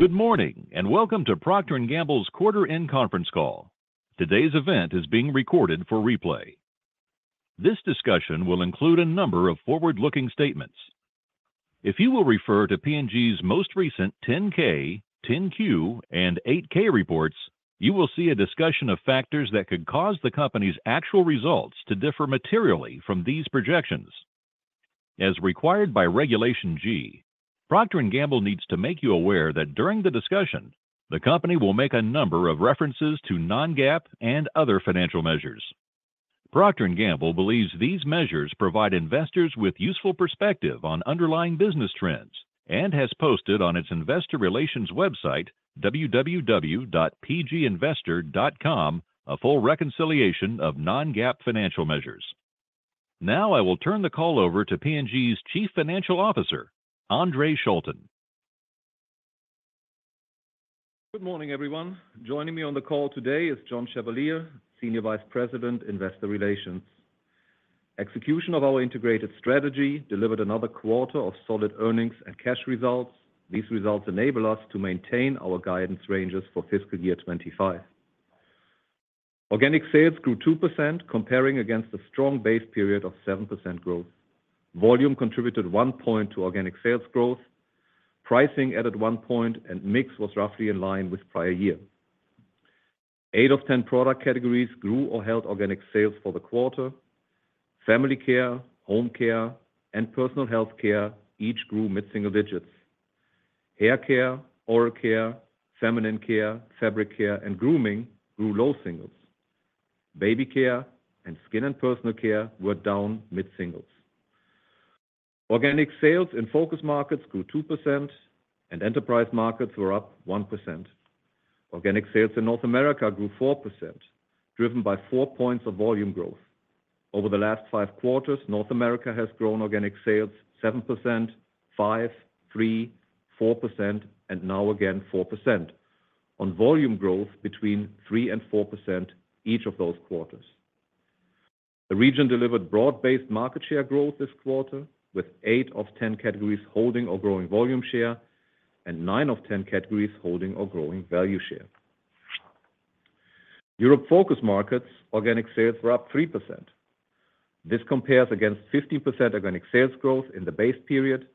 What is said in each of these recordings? Good morning, and welcome to Procter & Gamble's quarter end conference call. Today's event is being recorded for replay. This discussion will include a number of forward-looking statements. If you will refer to P&G's most recent 10-K, 10-Q, and 8-K reports, you will see a discussion of factors that could cause the company's actual results to differ materially from these projections. As required by Regulation G, Procter & Gamble needs to make you aware that during the discussion, the company will make a number of references to non-GAAP and other financial measures. Procter & Gamble believes these measures provide investors with useful perspective on underlying business trends, and has posted on its investor relations website, www.pginvestor.com, a full reconciliation of non-GAAP financial measures. Now, I will turn the call over to P&G's Chief Financial Officer, Andre Schulten. Good morning, everyone. Joining me on the call today is John Chevalier, Senior Vice President, Investor Relations. Execution of our integrated strategy delivered another quarter of solid earnings and cash results. These results enable us to maintain our guidance ranges for fiscal year 2025. Organic sales grew 2%, comparing against a strong base period of 7% growth. Volume contributed one point to organic sales growth. Pricing added one point, and mix was roughly in line with prior year. Eight of 10 product categories grew or held organic sales for the quarter. Family care, home care, and personal health care each grew mid-single digits. Hair care, oral care, feminine care, fabric care, and grooming grew low singles. Baby care and skin and personal care were down mid-singles. Organic sales in focus markets grew 2%, and enterprise markets were up 1%. Organic sales in North America grew 4%, driven by 4 points of volume growth. Over the last five quarters, North America has grown organic sales 7%, 5%, 3%, 4%, and now again, 4%, on volume growth between 3% and 4% each of those quarters. The region delivered broad-based market share growth this quarter, with eight of 10 categories holding or growing volume share, and nine of 10 categories holding or growing value share. In Europe focus markets, organic sales were up 3%. This compares against 50% organic sales growth in the base period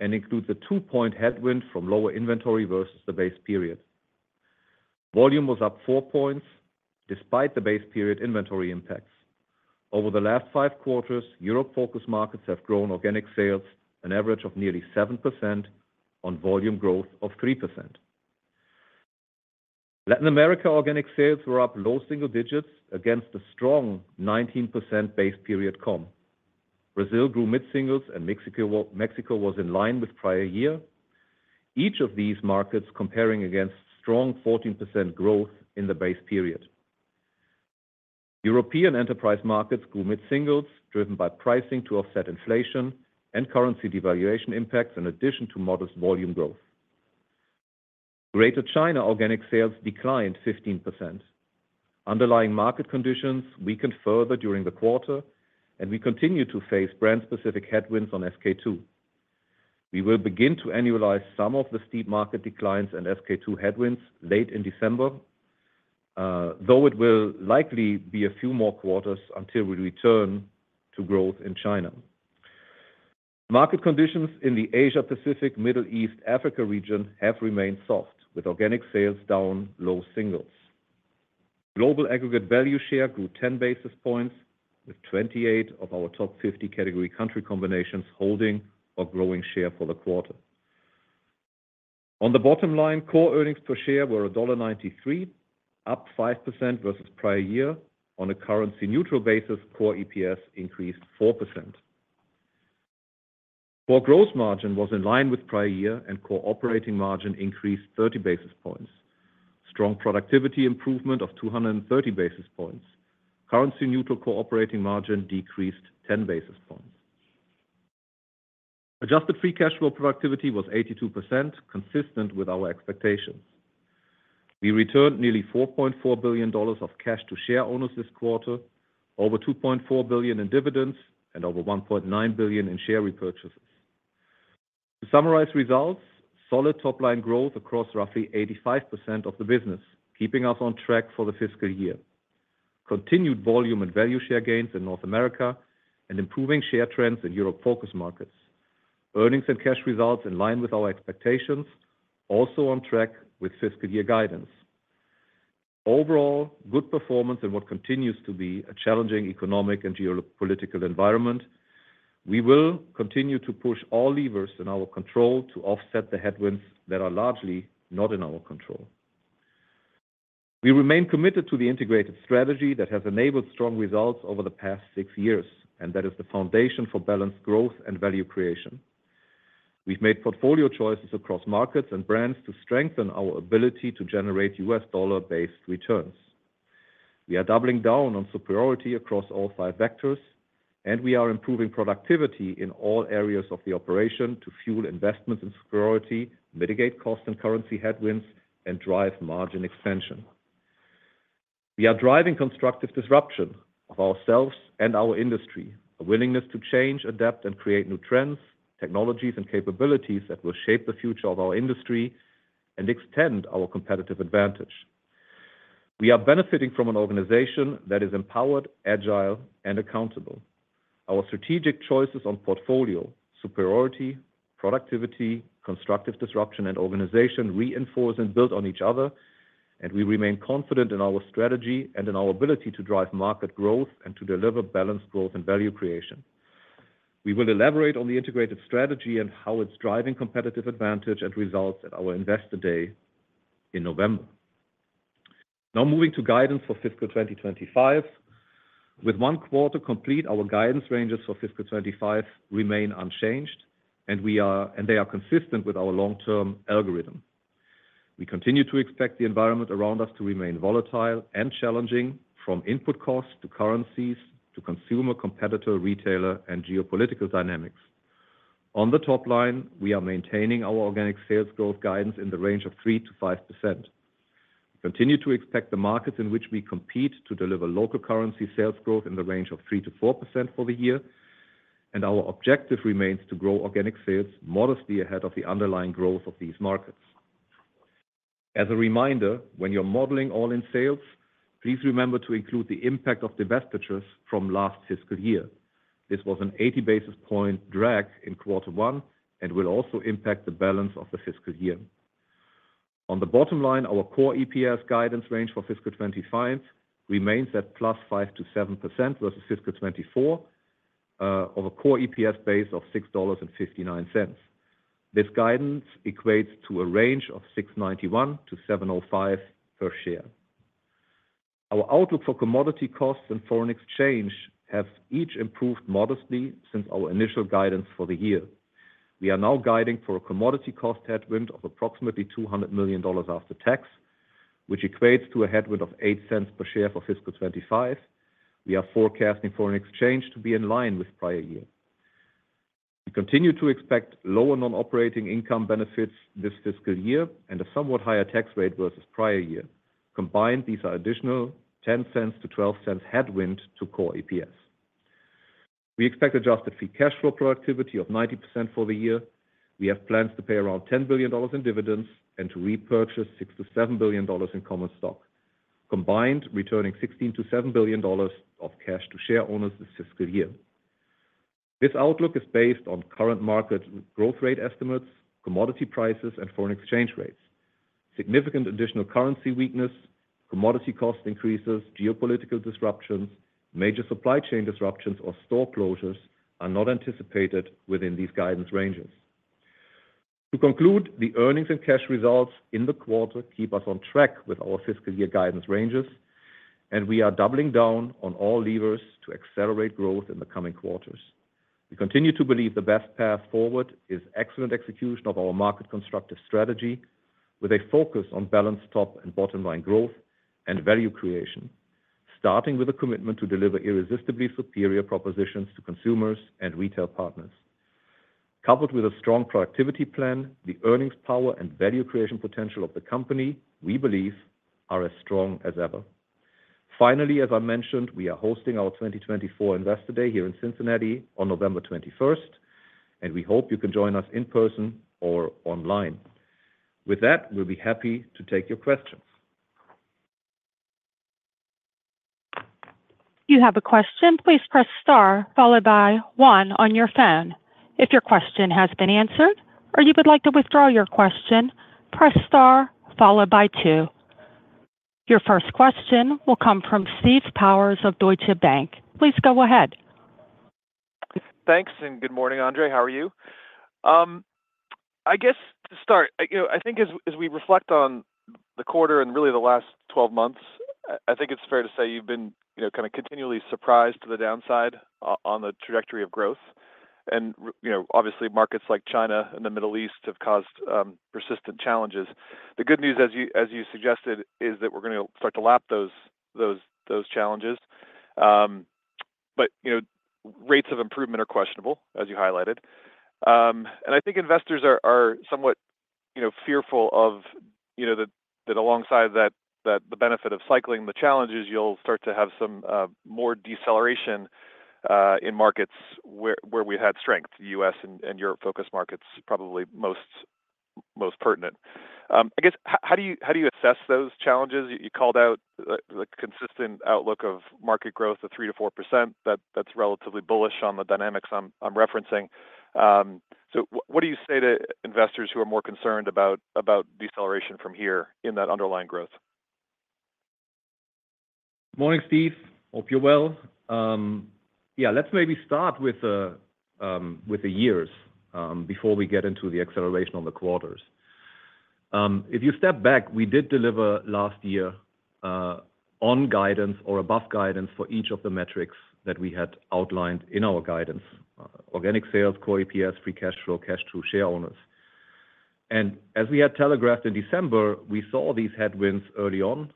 and includes a two-point headwind from lower inventory versus the base period. Volume was up four points despite the base period inventory impacts. Over the last five quarters, Europe focus markets have grown organic sales an average of nearly 7% on volume growth of 3%. Latin America, organic sales were up low single digits against a strong 19% base period comp. Brazil grew mid-singles and Mexico was in line with prior year. Each of these markets comparing against strong 14% growth in the base period. European enterprise markets grew mid-singles, driven by pricing to offset inflation and currency devaluation impacts, in addition to modest volume growth. Greater China, organic sales declined 15%. Underlying market conditions weakened further during the quarter, and we continue to face brand-specific headwinds on SK-II. We will begin to annualize some of the steep market declines and SK-II headwinds late in December, though it will likely be a few more quarters until we return to growth in China. Market conditions in the Asia Pacific, Middle East, Africa region have remained soft, with organic sales down low singles. Global aggregate value share grew ten basis points, with 28 of our top fifty category country combinations holding or growing share for the quarter. On the bottom line, core earnings per share were $1.93, up 5% versus prior year. On a currency neutral basis, core EPS increased 4%. Core gross margin was in line with prior year, and core operating margin increased thirty basis points. Strong productivity improvement of two hundred and thirty basis points. Currency neutral core operating margin decreased ten basis points. Adjusted Free Cash Flow Productivity was 82%, consistent with our expectations. We returned nearly $4.4 billion of cash to share owners this quarter, over $2.4 billion in dividends and over $1.9 billion in share repurchases. To summarize results, solid top-line growth across roughly 85% of the business, keeping us on track for the fiscal year. Continued volume and value share gains in North America and improving share trends in Europe focus markets. Earnings and cash results in line with our expectations, also on track with fiscal year guidance. Overall, good performance in what continues to be a challenging economic and geopolitical environment. We will continue to push all levers in our control to offset the headwinds that are largely not in our control. We remain committed to the integrated strategy that has enabled strong results over the past six years, and that is the foundation for balanced growth and value creation. We've made portfolio choices across markets and brands to strengthen our ability to generate U.S dollar-based returns. We are doubling down on superiority across all five vectors, and we are improving productivity in all areas of the operation to fuel investments in superiority, mitigate cost and currency headwinds, and drive margin expansion.... We are driving constructive disruption of ourselves and our industry, a willingness to change, adapt, and create new trends, technologies, and capabilities that will shape the future of our industry and extend our competitive advantage. We are benefiting from an organization that is empowered, agile, and accountable. Our strategic choices on portfolio, superiority, productivity, constructive disruption, and organization reinforce and build on each other, and we remain confident in our strategy and in our ability to drive market growth and to deliver balanced growth and value creation. We will elaborate on the integrated strategy and how it's driving competitive advantage and results at our Investor Day in November. Now moving to guidance for fiscal 2025. With one quarter complete, our guidance ranges for fiscal 2025 remain unchanged, and they are consistent with our long-term algorithm. We continue to expect the environment around us to remain volatile and challenging, from input costs to currencies, to consumer, competitor, retailer, and geopolitical dynamics. On the top line, we are maintaining our organic sales growth guidance in the range of 3%-5%. Continue to expect the markets in which we compete to deliver local currency sales growth in the range of 3%-4% for the year, and our objective remains to grow organic sales modestly ahead of the underlying growth of these markets. As a reminder, when you're modeling all-in sales, please remember to include the impact of divestitures from last fiscal year. This was an eighty basis points drag in quarter one and will also impact the balance of the fiscal year. On the bottom line, our core EPS guidance range for fiscal 2025 remains at +5% to 7% versus fiscal 2024 of a core EPS base of $6.59. This guidance equates to a range of $6.91-$7.05 per share. Our outlook for commodity costs and foreign exchange have each improved modestly since our initial guidance for the year. We are now guiding for a commodity cost headwind of approximately $200 million after tax, which equates to a headwind of 8 cents per share for fiscal 2025. We are forecasting foreign exchange to be in line with prior year. We continue to expect lower non-operating income benefits this fiscal year and a somewhat higher tax rate versus prior year. Combined, these are additional 10 cents to 12 cents headwind to core EPS. We expect Adjusted Free Cash Flow Productivity of 90% for the year. We have plans to pay around $10 billion in dividends and to repurchase $6-$7 billion in common stock, combined, returning $16-$17 billions of cash to share owners this fiscal year. This outlook is based on current market growth rate estimates, commodity prices, and foreign exchange rates. Significant additional currency weakness, commodity cost increases, geopolitical disruptions, major supply chain disruptions or store closures are not anticipated within these guidance ranges. To conclude, the earnings and cash results in the quarter keep us on track with our fiscal year guidance ranges, and we are doubling down on all levers to accelerate growth in the coming quarters. We continue to believe the best path forward is excellent execution of our market constructive strategy, with a focus on balanced top and bottom-line growth and value creation, starting with a commitment to deliver irresistibly superior propositions to consumers and retail partners. Coupled with a strong productivity plan, the earnings power and value creation potential of the company, we believe, are as strong as ever. Finally, as I mentioned, we are hosting our 2024 Investor Day here in Cincinnati on November 21st, and we hope you can join us in person or online. With that, we'll be happy to take your questions. You have a question, please press star followed by 1 on your phone. If your question has been answered or you would like to withdraw your question, press star followed by two. Your first question will come from Steve Powers of Deutsche Bank. Please go ahead. Thanks, and good morning, Andre. How are you? I guess to start, you know, I think as we reflect on the quarter and really the last twelve months, I think it's fair to say you've been, you know, kinda continually surprised to the downside on the trajectory of growth. And, you know, obviously, markets like China and the Middle East have caused persistent challenges. The good news, as you suggested, is that we're gonna start to lap those challenges. But, you know, rates of improvement are questionable, as you highlighted. And I think investors are somewhat, you know, fearful of that alongside that the benefit of cycling the challenges, you'll start to have some more deceleration in markets where we had strength, U.S. and Europe focus markets, probably most pertinent. I guess, how do you assess those challenges? You called out the consistent outlook of market growth of 3%-4%, that's relatively bullish on the dynamics I'm referencing. So, what do you say to investors who are more concerned about deceleration from here in that underlying growth? Morning, Steve. Hope you're well. Yeah, let's maybe start with the years before we get into the acceleration on the quarters. If you step back, we did deliver last year on guidance or above guidance for each of the metrics that we had outlined in our guidance: organic sales, core EPS, free cash flow, cash to share owners. And as we had telegraphed in December, we saw these headwinds early on,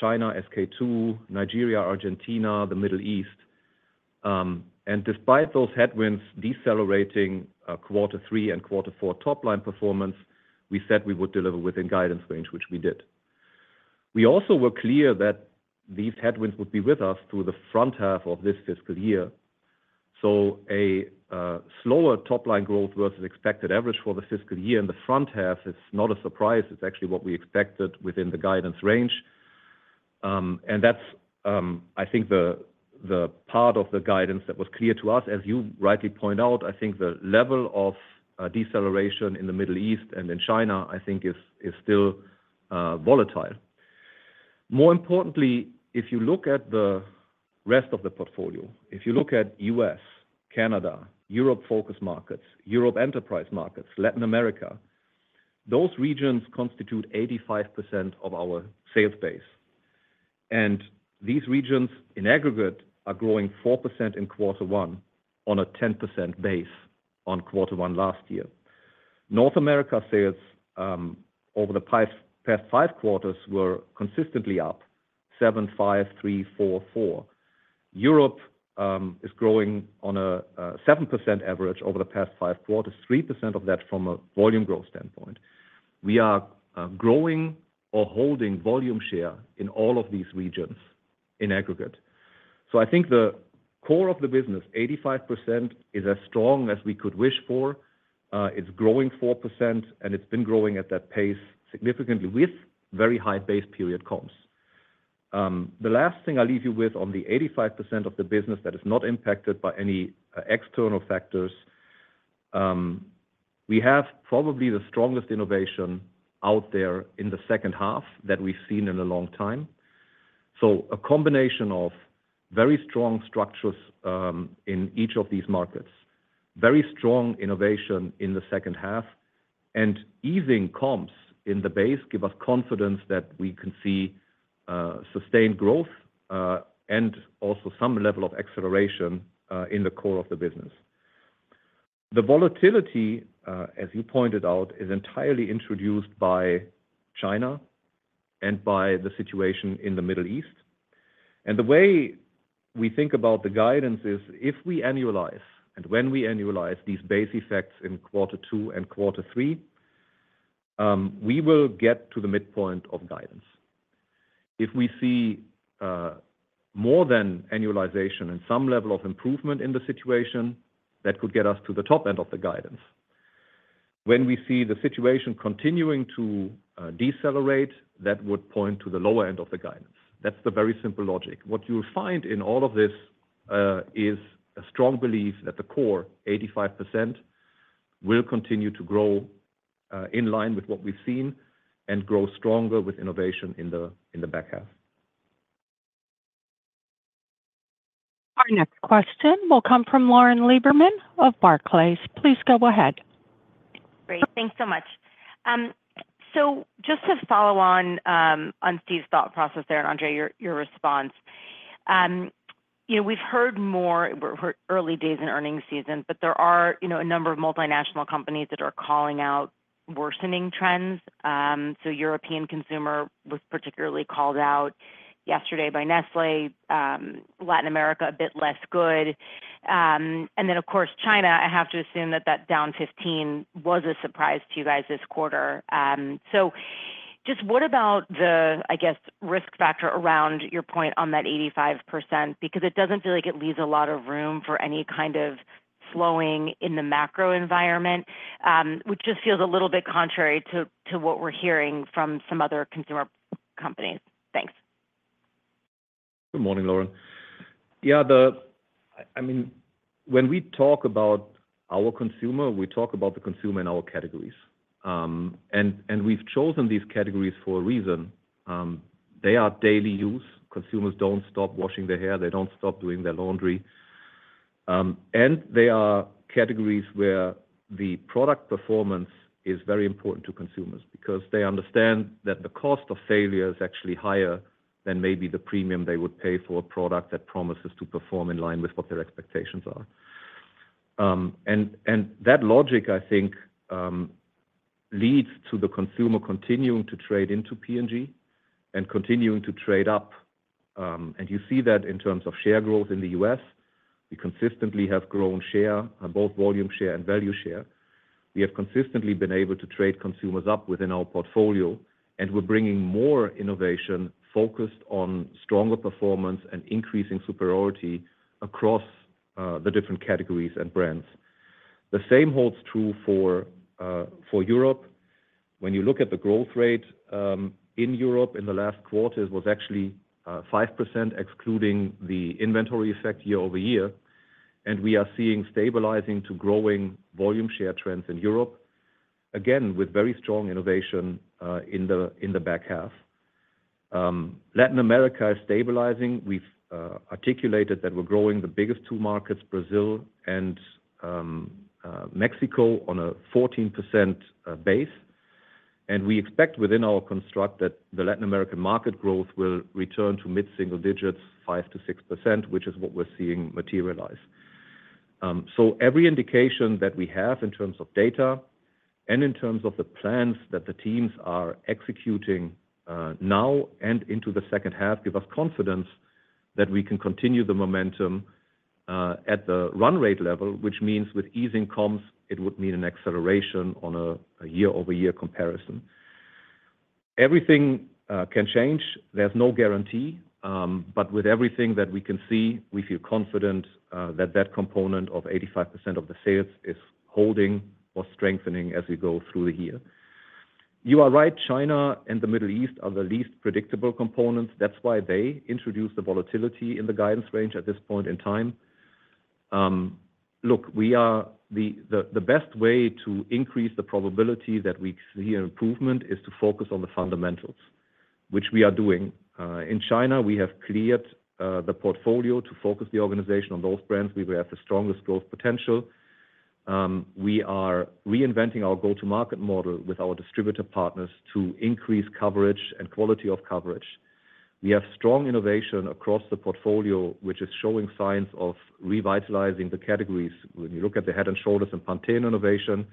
China, SK-II, Nigeria, Argentina, the Middle East. And despite those headwinds decelerating quarter three and quarter four top-line performance, we said we would deliver within guidance range, which we did. We also were clear that these headwinds would be with us through the front half of this fiscal year. So, a slower top-line growth versus expected average for the fiscal year in the front half, it's not a surprise. It's actually what we expected within the guidance range. And that's, I think, the part of the guidance that was clear to us. As you rightly point out, I think the level of deceleration in the Middle East and in China, I think is still volatile. More importantly, if you look at the rest of the portfolio, if you look at U.S., Canada, Europe focus markets, Europe enterprise markets, Latin America, those regions constitute 85% of our sales base. And these regions, in aggregate, are growing 4% in quarter one on a 10% based on quarter one last year. North America sales over the past five quarters were consistently up seven, five, three, four, four. Europe is growing on a 7% average over the past five quarters, 3% of that from a volume growth standpoint. We are growing or holding volume share in all of these regions in aggregate. So, I think the core of the business, 85%, is as strong as we could wish for. It's growing 4%, and it's been growing at that pace significantly with very high base period comps. The last thing I'll leave you with on the 85% of the business that is not impacted by any external factors, we have probably the strongest innovation out there in the second half than we've seen in a long time. So, a combination of very strong structures, in each of these markets, very strong innovation in the second half, and easing comps in the base, give us confidence that we can see, sustained growth, and also some level of acceleration, in the core of the business. The volatility, as you pointed out, is entirely introduced by China and by the situation in the Middle East. And the way we think about the guidance is if we annualize, and when we annualize these base effects in quarter two and quarter three, we will get to the midpoint of guidance. If we see, more than annualization and some level of improvement in the situation, that could get us to the top end of the guidance. When we see the situation continuing to, decelerate, that would point to the lower end of the guidance. That's the very simple logic. What you will find in all of this is a strong belief that the core, 85%, will continue to grow in line with what we've seen and grow stronger with innovation in the back half. Our next question will come from Lauren Lieberman of Barclays. Please go ahead. Great. Thanks so much. So just to follow on on Steve's thought process there, and Andre, your response. You know, we've heard more, we're early days in earnings season, but there are, you know, a number of multinational companies that are calling out worsening trends. So European consumer was particularly called out yesterday by Nestlé, Latin America, a bit less good. And then, of course, China, I have to assume that that down 15% was a surprise to you guys this quarter. So just what about the, I guess, risk factor around your point on that 85%? Because it doesn't feel like it leaves a lot of room for any kind of slowing in the macro environment, which just feels a little bit contrary to what we're hearing from some other consumer companies. Thanks. Good morning, Lauren. Yeah, I mean, when we talk about our consumer, we talk about the consumer in our categories. And we've chosen these categories for a reason. They are daily use. Consumers don't stop washing their hair, they don't stop doing their laundry. And they are categories where the product performance is very important to consumers because they understand that the cost of failure is actually higher than maybe the premium they would pay for a product that promises to perform in line with what their expectations are. And that logic, I think, leads to the consumer continuing to trade into P&G and continuing to trade up. And you see that in terms of share growth in the U.S., we consistently have grown share, both volume share and value share. We have consistently been able to trade consumers up within our portfolio, and we're bringing more innovation focused on stronger performance and increasing superiority across the different categories and brands. The same holds true for Europe. When you look at the growth rate in Europe in the last quarter, it was actually 5%, excluding the inventory effect year over year, and we are seeing stabilizing to growing volume share trends in Europe. Again, with very strong innovation in the back half. Latin America is stabilizing. We've articulated that we're growing the biggest two markets, Brazil and Mexico, on a 14% base. And we expect within our construct that the Latin American market growth will return to mid-single digits, 5% to 6%, which is what we're seeing materialize. So every indication that we have in terms of data and in terms of the plans that the teams are executing, now and into the second half, give us confidence that we can continue the momentum, at the run rate level, which means with easing comps, it would mean an acceleration on a year-over-year comparison. Everything can change. There's no guarantee, but with everything that we can see, we feel confident, that that component of 85% of the sales is holding or strengthening as we go through the year. You are right, China and the Middle East are the least predictable components. That's why they introduce the volatility in the guidance range at this point in time. Look, the best way to increase the probability that we see an improvement is to focus on the fundamentals, which we are doing. In China, we have cleared the portfolio to focus the organization on those brands where we have the strongest growth potential. We are reinventing our go-to-market model with our distributor partners to increase coverage and quality of coverage. We have strong innovation across the portfolio, which is showing signs of revitalizing the categories. When you look at the Head & Shoulders and Pantene innovation,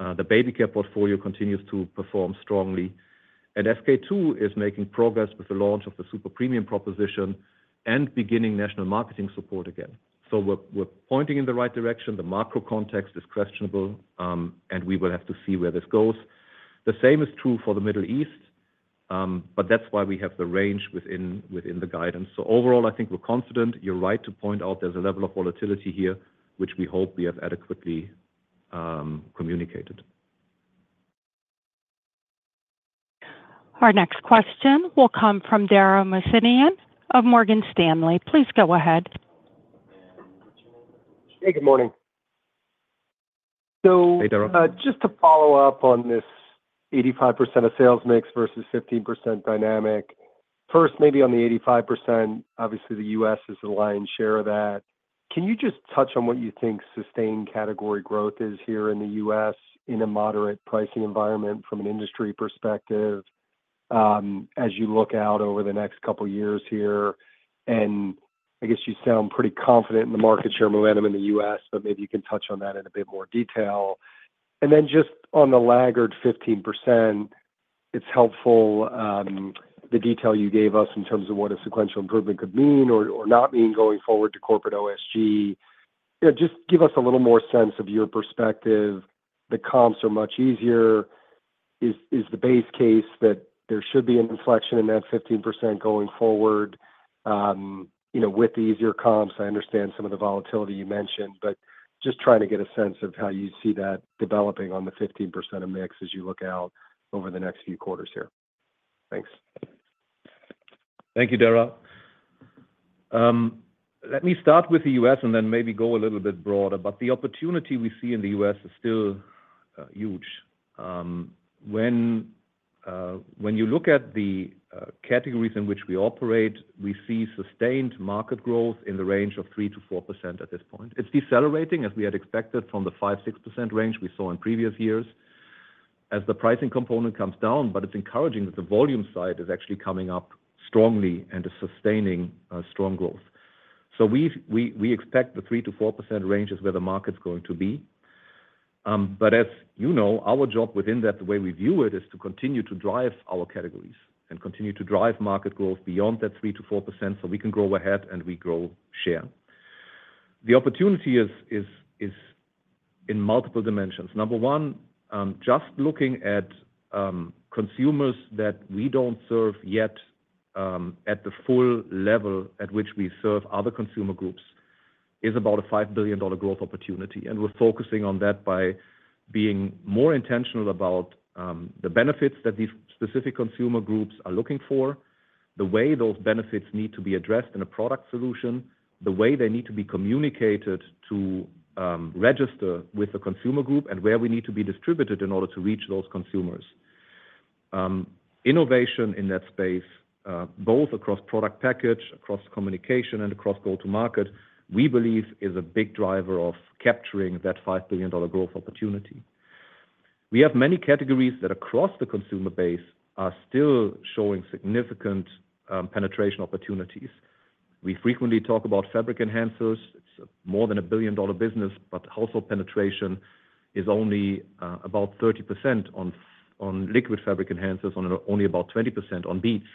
the baby care portfolio continues to perform strongly. And SK-II is making progress with the launch of the super-premium proposition and beginning national marketing support again. So, we're pointing in the right direction. The macro context is questionable, and we will have to see where this goes. The same is true for the Middle East, but that's why we have the range within the guidance. So overall, I think we're confident. You're right to point out there's a level of volatility here, which we hope we have adequately communicated. Our next question will come from Dara Mohsenian of Morgan Stanley. Please go ahead. Hey, good morning. Hey, Dara. So, just to follow up on this 85% of sales mix versus 15% dynamic. First, maybe on the 85%, obviously, the U.S. is the lion's share of that. Can you just touch on what you think sustained category growth is here in the U.S. in a moderate pricing environment from an industry perspective, as you look out over the next couple of years here? And I guess you sound pretty confident in the market share momentum in the U.S., but maybe you can touch on that in a bit more detail. And then just on the laggard 15%, it's helpful, the detail you gave us in terms of what a sequential improvement could mean or not mean going forward to corporate OSG. You know, just give us a little more sense of your perspective. The comps are much easier. Is the base case that there should be an inflection in that 15% going forward, you know, with the easier comps? I understand some of the volatility you mentioned, but just trying to get a sense of how you see that developing on the 15% of mix as you look out over the next few quarters here. Thanks. Thank you, Dara. Let me start with the U.S. and then maybe go a little bit broader, but the opportunity we see in the U.S. is still huge. When you look at the categories in which we operate, we see sustained market growth in the range of 3%-4% at this point. It's decelerating, as we had expected from the 5-6% range we saw in previous years, as the pricing component comes down, but it's encouraging that the volume side is actually coming up strongly and is sustaining strong growth. So, we expect the 3%-4% range is where the market's going to be. But as you know, our job within that, the way we view it, is to continue to drive our categories and continue to drive market growth beyond that 3%-4%, so we can grow ahead and we grow share. The opportunity is in multiple dimensions. Number one, just looking at consumers that we don't serve yet at the full level at which we serve other consumer groups, is about a $5 billion growth opportunity. And we're focusing on that by being more intentional about the benefits that these specific consumer groups are looking for, the way those benefits need to be addressed in a product solution, the way they need to be communicated to register with the consumer group, and where we need to be distributed in order to reach those consumers. Innovation in that space, both across product package, across communication, and across go-to-market, we believe is a big driver of capturing that $5 billion growth opportunity. We have many categories that across the consumer base are still showing significant penetration opportunities. We frequently talk about fabric enhancers. It's more than a $1 billion business, but household penetration is only about 30% on liquid fabric enhancers, and only about 20% on beads.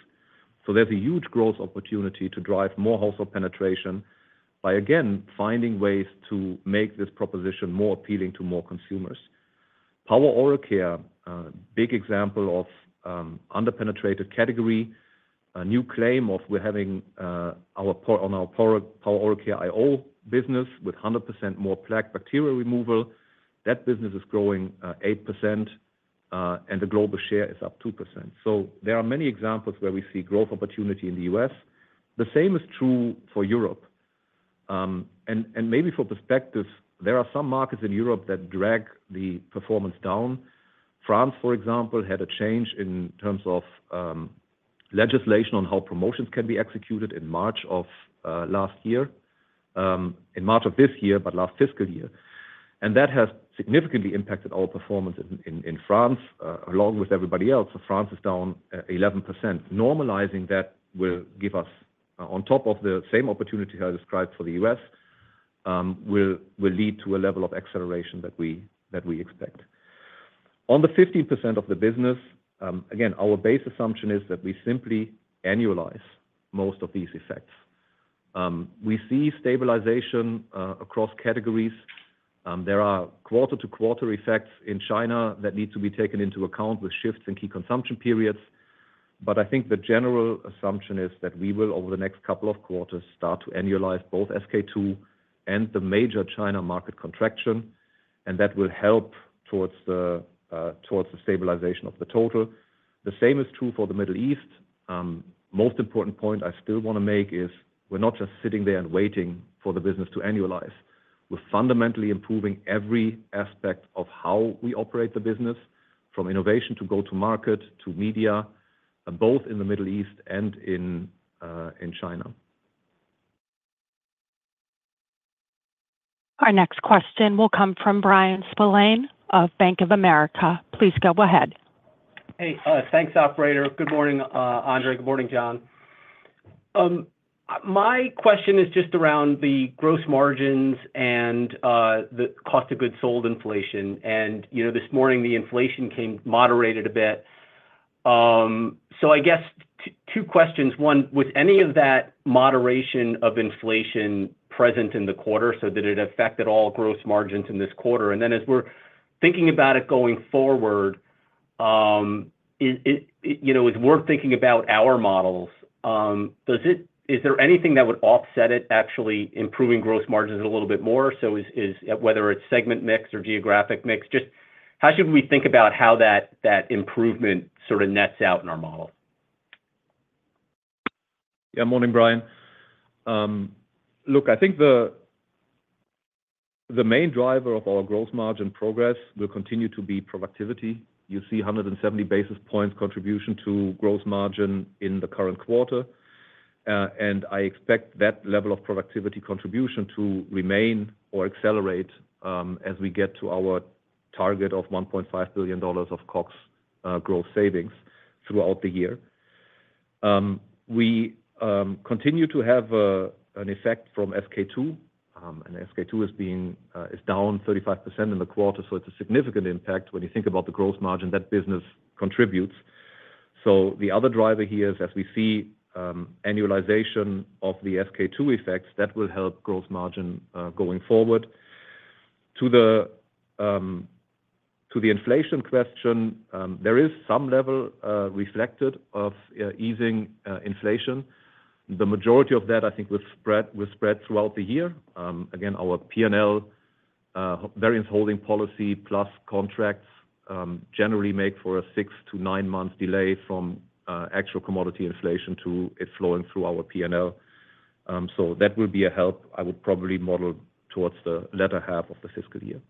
So, there's a huge growth opportunity to drive more household penetration by, again, finding ways to make this proposition more appealing to more consumers. Power Oral Care, big example of under-penetrated category, a new claim of we're having our power on our Power Oral Care iO business with 100% more plaque bacteria removal. That business is growing 8%, and the global share is up 2%. So, there are many examples where we see growth opportunity in the U.S. The same is true for Europe. And maybe for perspective, there are some markets in Europe that drag the performance down. France, for example, had a change in terms of legislation on how promotions can be executed in March of last year, in March of this year, but last fiscal year. And that has significantly impacted our performance in France, along with everybody else. So France is down 11%. Normalizing that will give us, on top of the same opportunity I described for the U.S., will lead to a level of acceleration that we expect. On the 50% of the business, again, our base assumption is that we simply annualize most of these effects. We see stabilization across categories. There are quarter-to-quarter effects in China that need to be taken into account, with shifts in key consumption periods. But I think the general assumption is that we will, over the next couple of quarters, start to annualize both SK-II and the major China market contraction, and that will help towards the stabilization of the total. The same is true for the Middle East. Most important point I still wanna make is, we're not just sitting there and waiting for the business to annualize. We're fundamentally improving every aspect of how we operate the business, from innovation to go-to-market, to media, both in the Middle East and in China. Our next question will come from Brian Spillane of Bank of America. Please go ahead. Hey, thanks, operator. Good morning, Andre. Good morning, John. My question is just around the gross margins, and the cost of goods sold inflation. And, you know, this morning, the inflation came moderated a bit. So, I guess two questions. One, with any of that moderation of inflation present in the quarter, so did it affect at all gross margins in this quarter? And then as we're thinking about it going forward, you know, as we're thinking about our models, does it-- Is there anything that would offset it actually improving gross margins a little bit more? So whether it's segment mix or geographic mix, just how should we think about how that improvement sort of nets out in our model? Yeah. Morning, Brian. Look, I think the main driver of our gross margin progress will continue to be productivity. You see 170 basis points contribution to gross margin in the current quarter. And I expect that level of productivity contribution to remain or accelerate, as we get to our target of $1.5 billion of COGS growth savings throughout the year. We continue to have an effect from SK-II, and SK-II is down 35% in the quarter, so it's a significant impact when you think about the gross margin that business contributes. So, the other driver here is, as we see annualization of the SK-II effects, that will help gross margin going forward. To the inflation question, there is some level reflected of easing inflation. The majority of that, I think, will spread throughout the year. Again, our P&L variance holding policy, plus contracts, generally make for a six to nine-month delay from actual commodity inflation to it flowing through our P&L. So that will be a help I would probably model towards the latter half of the fiscal year.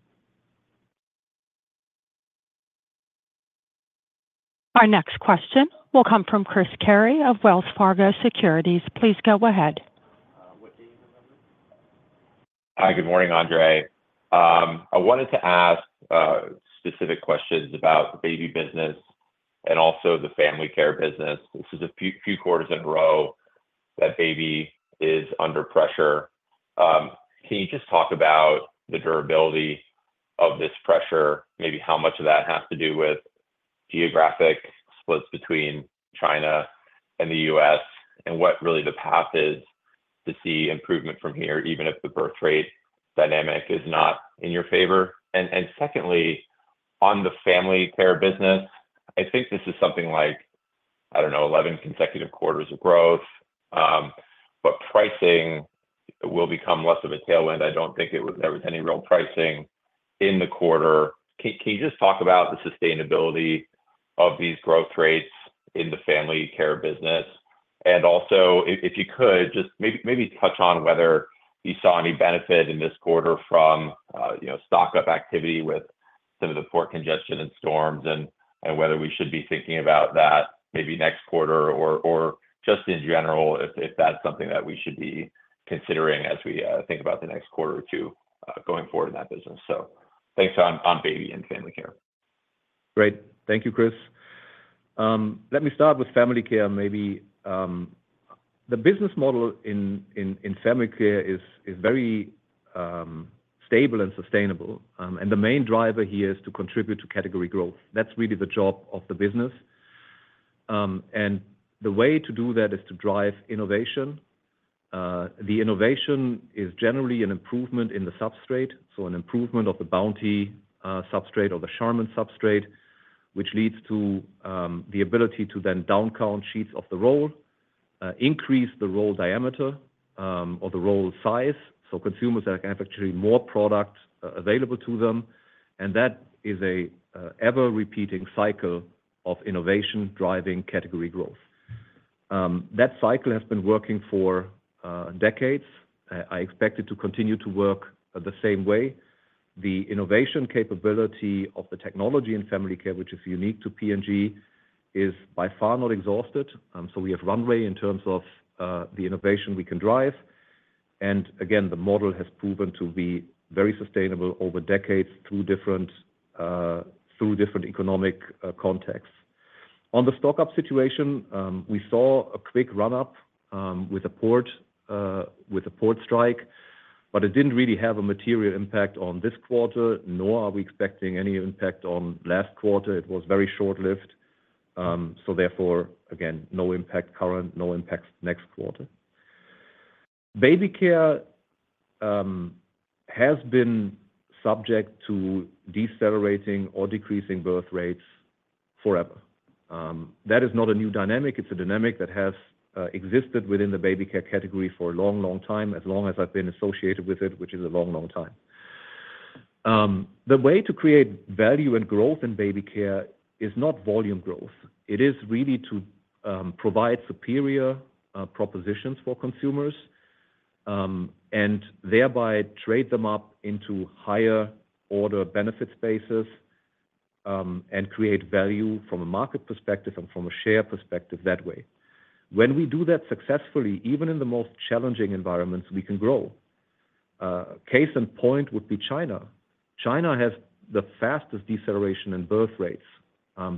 Our next question will come from Chris Carey of Wells Fargo Securities. Please go ahead. Hi, good morning, Andre. I wanted to ask specific questions about the baby business and also the family care business. This is a few quarters in a row that baby is under pressure. Can you just talk about the durability of this pressure? Maybe how much of that has to do with geographic splits between China and the US, and what really the path is to see improvement from here, even if the birthrate dynamic is not in your favor? And secondly, on the family care business, I think this is something like, I don't know, eleven consecutive quarters of growth, but pricing will become less of a tailwind. I don't think there was any real pricing in the quarter. Can you just talk about the sustainability of these growth rates in the family care business? And also, if you could, just maybe touch on whether you saw any benefit in this quarter from, you know, stock-up activity with some of the port congestion and storms, and whether we should be thinking about that maybe next quarter, or just in general, if that's something that we should be considering as we think about the next quarter or two, going forward in that business. So, thanks. On baby and family care. Great. Thank you, Chris. Let me start with Family Care, maybe. The business model in Family Care is very stable and sustainable, and the main driver here is to contribute to category growth. That's really the job of the business, and the way to do that is to drive innovation. The innovation is generally an improvement in the substrate, so an improvement of the Bounty substrate or the Charmin substrate, which leads to the ability to then down count sheets of the roll, increase the roll diameter, or the roll size, so consumers are gonna have actually more product available to them, and that is an ever-repeating cycle of innovation driving category growth. That cycle has been working for decades. I expect it to continue to work the same way. The innovation capability of the technology in family care, which is unique to P&G, is by far not exhausted, so we have runway in terms of the innovation we can drive, and again, the model has proven to be very sustainable over decades through different economic contexts. On the stock-up situation, we saw a quick run-up with a port strike, but it didn't really have a material impact on this quarter, nor are we expecting any impact on last quarter. It was very short-lived, so therefore, again, no impact current, no impact next quarter. Baby care has been subject to decelerating or decreasing birth rates forever. That is not a new dynamic. It's a dynamic that has existed within the baby care category for a long, long time, as long as I've been associated with it, which is a long, long time. The way to create value and growth in baby care is not volume growth. It is really to provide superior propositions for consumers and thereby trade them up into higher order benefit spaces and create value from a market perspective and from a share perspective that way. When we do that successfully, even in the most challenging environments, we can grow. Case in point would be China. China has the fastest deceleration in birth rates,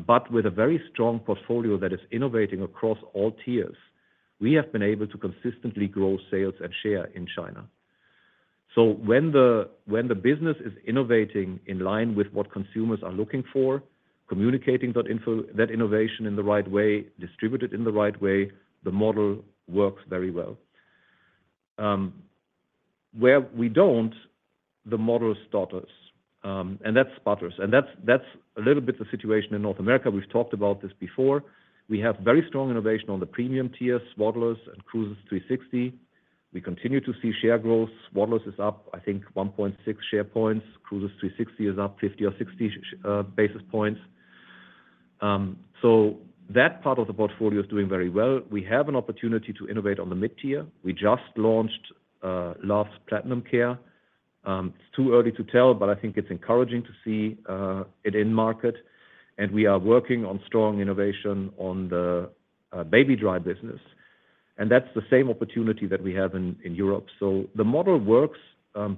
but with a very strong portfolio that is innovating across all tiers, we have been able to consistently grow sales and share in China. So when the business is innovating in line with what consumers are looking for, communicating that info that innovation in the right way, distributed in the right way, the model works very well. Where we don't, the model stutters and that sputters, and that's a little bit the situation in North America. We've talked about this before. We have very strong innovation on the premium tiers, Swaddlers and Cruisers 360. We continue to see share growth. Swaddlers is up, I think, 1.6 share points. Cruisers 360 is up 50 or 60 basis points. So that part of the portfolio is doing very well. We have an opportunity to innovate on the mid-tier. We just launched Pampers Platinum Care. It's too early to tell, but I think it's encouraging to see it in market, and we are working on strong innovation on the Baby Dry business, and that's the same opportunity that we have in Europe, so the model works,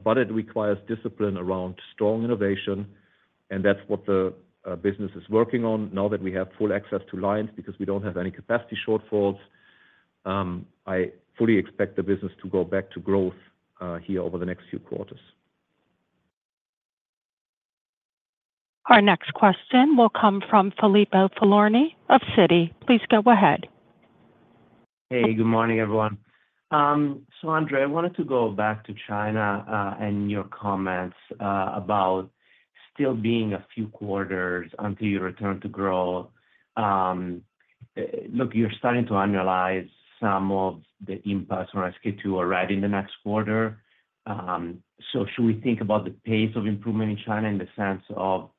but it requires discipline around strong innovation, and that's what the business is working on. Now that we have full access to lines, because we don't have any capacity shortfalls, I fully expect the business to go back to growth here over the next few quarters. Our next question will come from Filippo Falorni of Citi. Please go ahead. Hey, good morning, everyone. So, Andre, I wanted to go back to China, and your comments about still being a few quarters until you return to growth. Look, you're starting to annualize some of the impacts from SK-II already in the next quarter. So, should we think about the pace of improvement in China in the sense of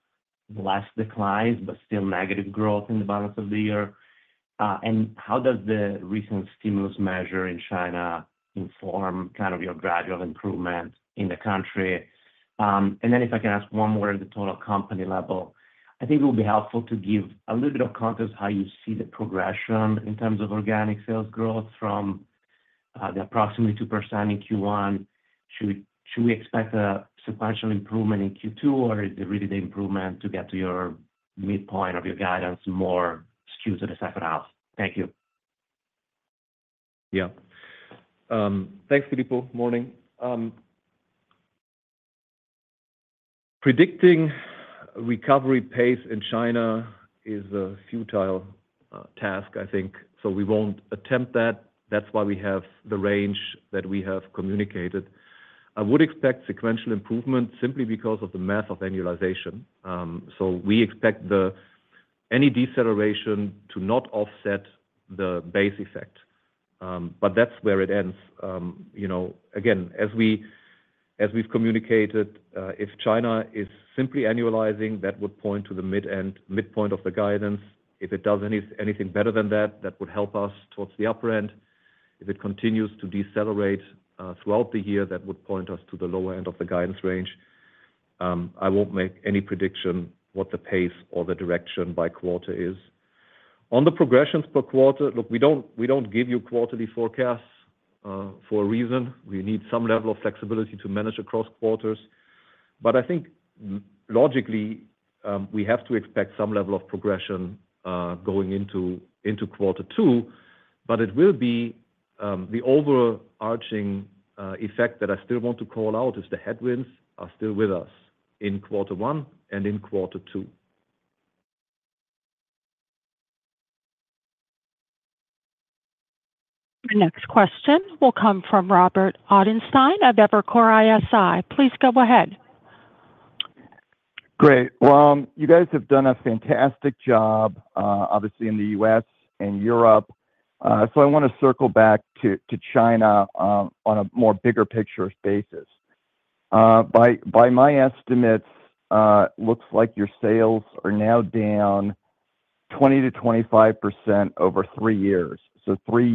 less declines, but still negative growth in the balance of the year? And how does the recent stimulus measure in China inform kind of your gradual improvement in the country? And then if I can ask one more at the total company level. I think it will be helpful to give a little bit of context, how you see the progression in terms of organic sales growth from the approximately 2% in Q1. Should we expect a sequential improvement in Q2, or is it really the improvement to get to your midpoint of your guidance, more skewed to the second half? Thank you. Yeah. Thanks, Filippo. Morning. Predicting recovery pace in China is a futile task, I think, so we won't attempt that. That's why we have the range that we have communicated. I would expect sequential improvement simply because of the math of annualization. So, we expect any deceleration to not offset the base effect, but that's where it ends. You know, again, as we've communicated, if China is simply annualizing, that would point to the mid-end, midpoint of the guidance. If it does anything better than that, that would help us towards the upper end. If it continues to decelerate throughout the year, that would point us to the lower end of the guidance range. I won't make any prediction what the pace or the direction by quarter is. On the progressions per quarter, look, we don't, we don't give you quarterly forecasts for a reason. We need some level of flexibility to manage across quarters. But I think, logically, we have to expect some level of progression going into quarter 2, but it will be the overarching effect that I still want to call out, is the headwinds are still with us in quarter 1 and in quarter 2. The next question will come from Robert Ottenstein of Evercore ISI. Please go ahead. Great. Well, you guys have done a fantastic job, obviously in the U.S. and Europe. So I wanna circle back to China on a more bigger picture basis. By my estimates, looks like your sales are now down 20% to 25% over three years, so three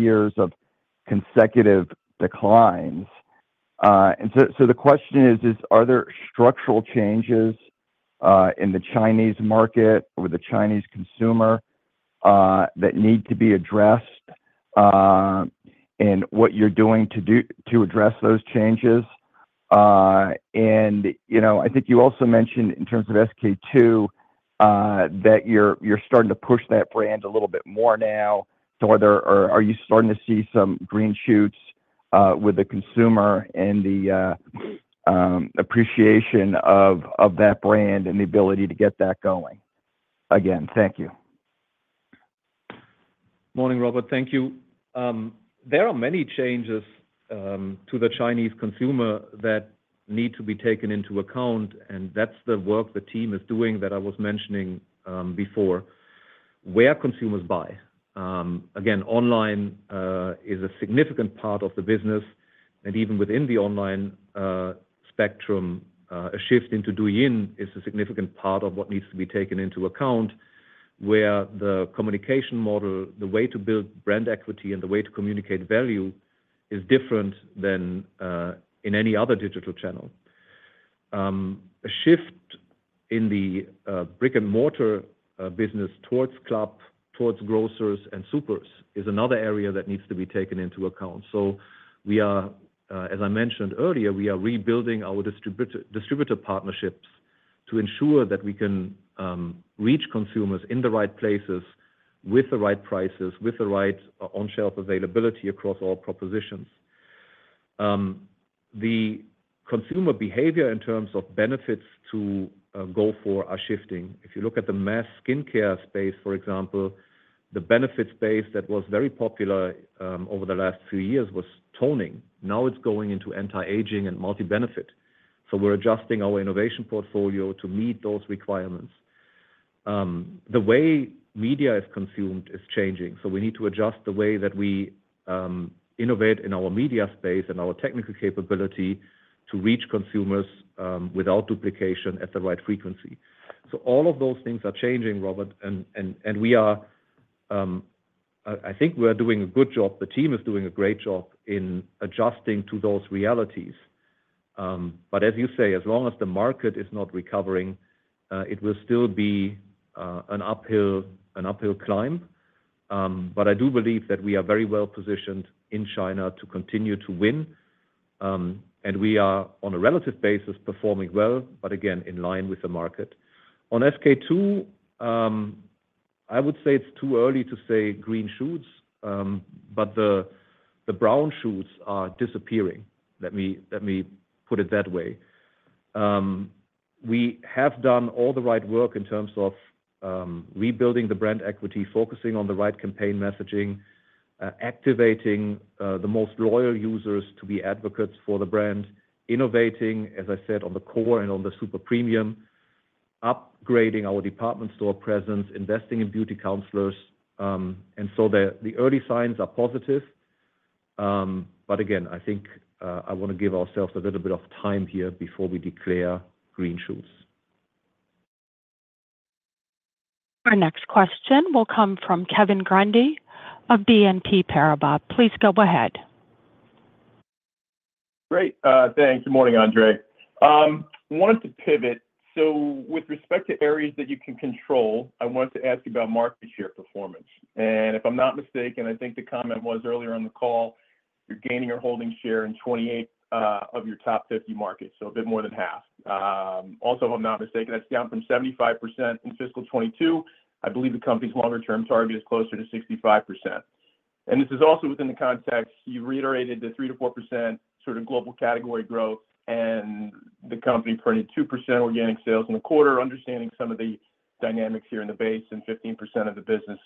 years of consecutive declines, and so the question is, are there structural changes in the Chinese market or with the Chinese consumer that need to be addressed, and what you're doing to address those changes, and, you know, I think you also mentioned in terms of SK-II that you're starting to push that brand a little bit more now. So are you starting to see some green shoots with the consumer and the appreciation of that brand and the ability to get that going again? Thank you. Morning, Robert. Thank you. There are many changes to the Chinese consumer that need to be taken into account, and that's the work the team is doing that I was mentioning before. Where consumers buy. Again, online is a significant part of the business, and even within the online spectrum, a shift into Douyin is a significant part of what needs to be taken into account, where the communication model, the way to build brand equity and the way to communicate value is different than in any other digital channel. A shift in the brick-and-mortar business towards club, towards grocers and supers is another area that needs to be taken into account. So we are, as I mentioned earlier, we are rebuilding our distributor partnerships to ensure that we can reach consumers in the right places with the right prices, with the right on-shelf availability across all propositions. The consumer behavior in terms of benefits to go for are shifting. If you look at the mass skincare space, for example, the benefit space that was very popular over the last few years was toning. Now it's going into anti-aging and multi-benefit. So, we're adjusting our innovation portfolio to meet those requirements. The way media is consumed is changing, so we need to adjust the way that we innovate in our media space and our technical capability to reach consumers without duplication at the right frequency. So, all of those things are changing, Robert, and we are... I think we are doing a good job. The team is doing a great job in adjusting to those realities, but as you say, as long as the market is not recovering, it will still be an uphill climb, but I do believe that we are very well-positioned in China to continue to win, and we are, on a relative basis, performing well, but again, in line with the market. On SK-II, I would say it's too early to say green shoots, but the brown shoots are disappearing. Let me put it that way. We have done all the right work in terms of rebuilding the brand equity, focusing on the right campaign messaging, activating the most loyal users to be advocates for the brand, innovating, as I said, on the core and on the super-premium, upgrading our department store presence, investing in beauty counselors. And so, the early signs are positive. But again, I think I wanna give ourselves a little bit of time here before we declare green shoots. Our next question will come from Kevin Grundy of BNP Paribas. Please go ahead. Great, thanks. Good morning, Andre. I wanted to pivot. So, with respect to areas that you can control, I wanted to ask you about market share performance. And if I'm not mistaken, I think the comment was earlier on the call, you're gaining or holding share in 28 of your top 50 markets, so a bit more than half. Also, if I'm not mistaken, that's down from 75% in fiscal 2022. I believe the company's longer-term target is closer to 65%. And this is also within the context, you reiterated the 3%-4% sort of global category growth, and the company printed 2% organic sales in a quarter, understanding some of the dynamics here in the base and 15% of the business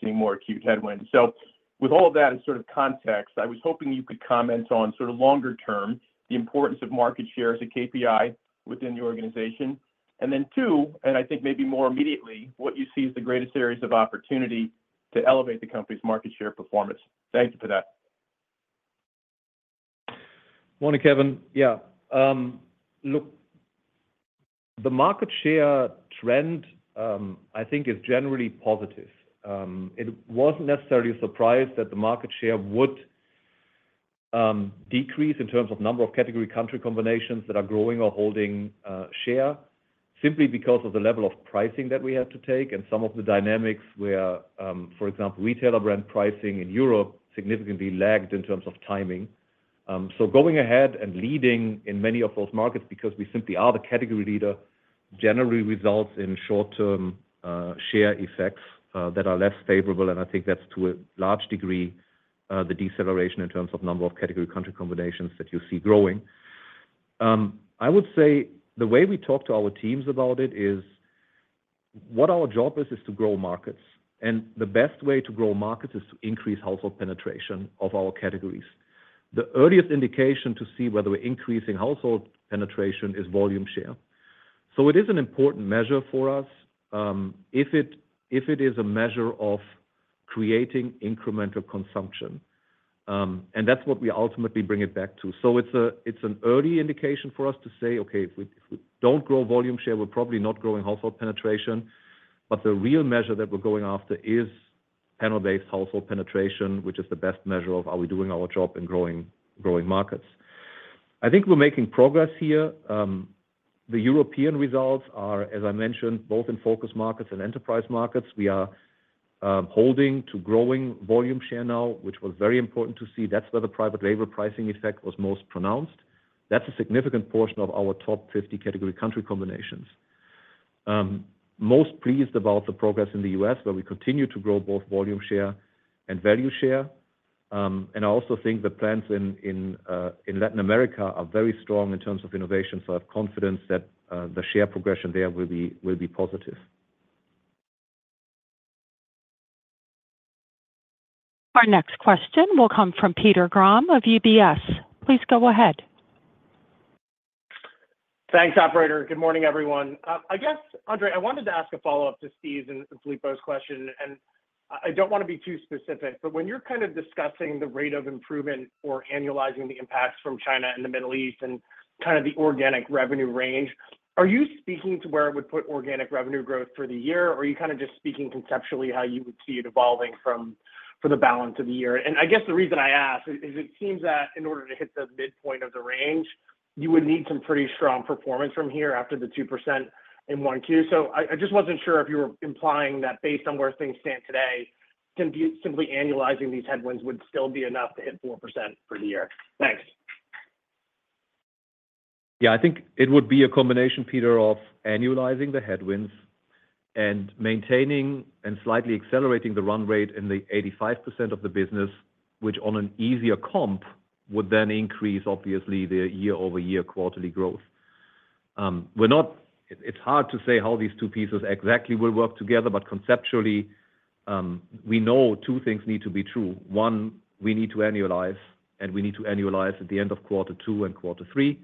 seeing more acute headwinds. So, with all of that in sort of context, I was hoping you could comment on sort of longer term, the importance of market share as a KPI within the organization. And then two, and I think maybe more immediately, what you see is the greatest areas of opportunity to elevate the company's market share performance. Thank you for that. Morning, Kevin. Yeah. Look, the market share trend, I think is generally positive. It wasn't necessarily a surprise that the market share would decrease in terms of number of category country combinations that are growing or holding share, simply because of the level of pricing that we had to take and some of the dynamics where, for example, retailer brand pricing in Europe significantly lagged in terms of timing. So going ahead and leading in many of those markets because we simply are the category leader, generally results in short-term share effects that are less favorable, and I think that's to a large degree the deceleration in terms of number of category country combinations that you see growing. I would say the way we talk to our teams about it is, what our job is, is to grow markets, and the best way to grow markets is to increase household penetration of our categories. The earliest indication to see whether we're increasing household penetration is volume share. So, it is an important measure for us, if it is a measure of creating incremental consumption. And that's what we ultimately bring it back to. So, it's an early indication for us to say, "Okay, if we don't grow volume share, we're probably not growing household penetration." But the real measure that we're going after is panel-based household penetration, which is the best measure of are we doing our job in growing markets? I think we're making progress here. The European results are, as I mentioned, both in focus markets and enterprise markets. We are holding to growing volume share now, which was very important to see. That's where the private label pricing effect was most pronounced. That's a significant portion of our top 50 category country combinations. Most pleased about the progress in the U.S., where we continue to grow both volume share and value share, and I also think the plans in Latin America are very strong in terms of innovation, so I have confidence that the share progression there will be positive. Our next question will come from Peter Grom of UBS. Please go ahead. Thanks, operator. Good morning, everyone. I guess, Andre, I wanted to ask a follow-up to Steve's and Filippo's question, and I don't wanna be too specific, but when you're kind of discussing the rate of improvement or annualizing the impacts from China and the Middle East and kind of the organic revenue range, are you speaking to where it would put organic revenue growth for the year, or are you kinda just speaking conceptually, how you would see it evolving from for the balance of the year? And I guess the reason I ask is it seems that in order to hit the midpoint of the range, you would need some pretty strong performance from here after the 2% in 1Q. So, I just wasn't sure if you were implying that based on where things stand today, simply annualizing these headwinds would still be enough to hit 4% for the year. Thanks. Yeah, I think it would be a combination, Peter, of annualizing the headwinds and maintaining and slightly accelerating the run rate in the 85% of the business, which on an easier comp, would then increase, obviously, the year-over-year quarterly growth. It's hard to say how these two pieces exactly will work together, but conceptually, we know two things need to be true. One, we need to annualize, and we need to annualize at the end of quarter two and quarter three.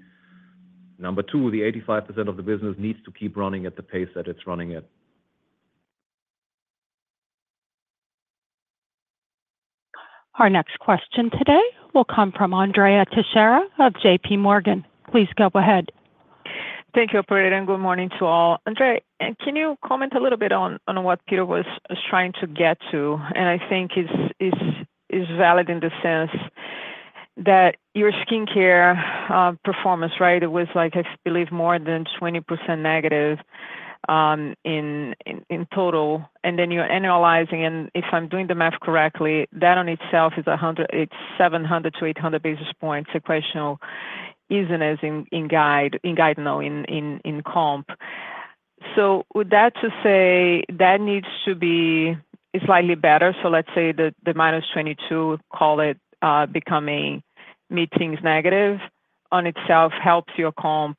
Number two, the 85% of the business needs to keep running at the pace that it's running at. Our next question today will come from Andrea Teixeira of J.P. Morgan. Please go ahead. Thank you, operator, and good morning to all. Andre, can you comment a little bit on what Peter was trying to get to? And I think it's valid in the sense that your skincare performance, right, it was like, I believe, more than 20% negative in total. And then you're annualizing, and if I'm doing the math correctly, that on itself is 700 to 800 basis points sequential easiness in comp. So would that say that needs to be slightly better? So let's say the minus 22%, call it, becoming mid-teens negative on itself, helps your comp.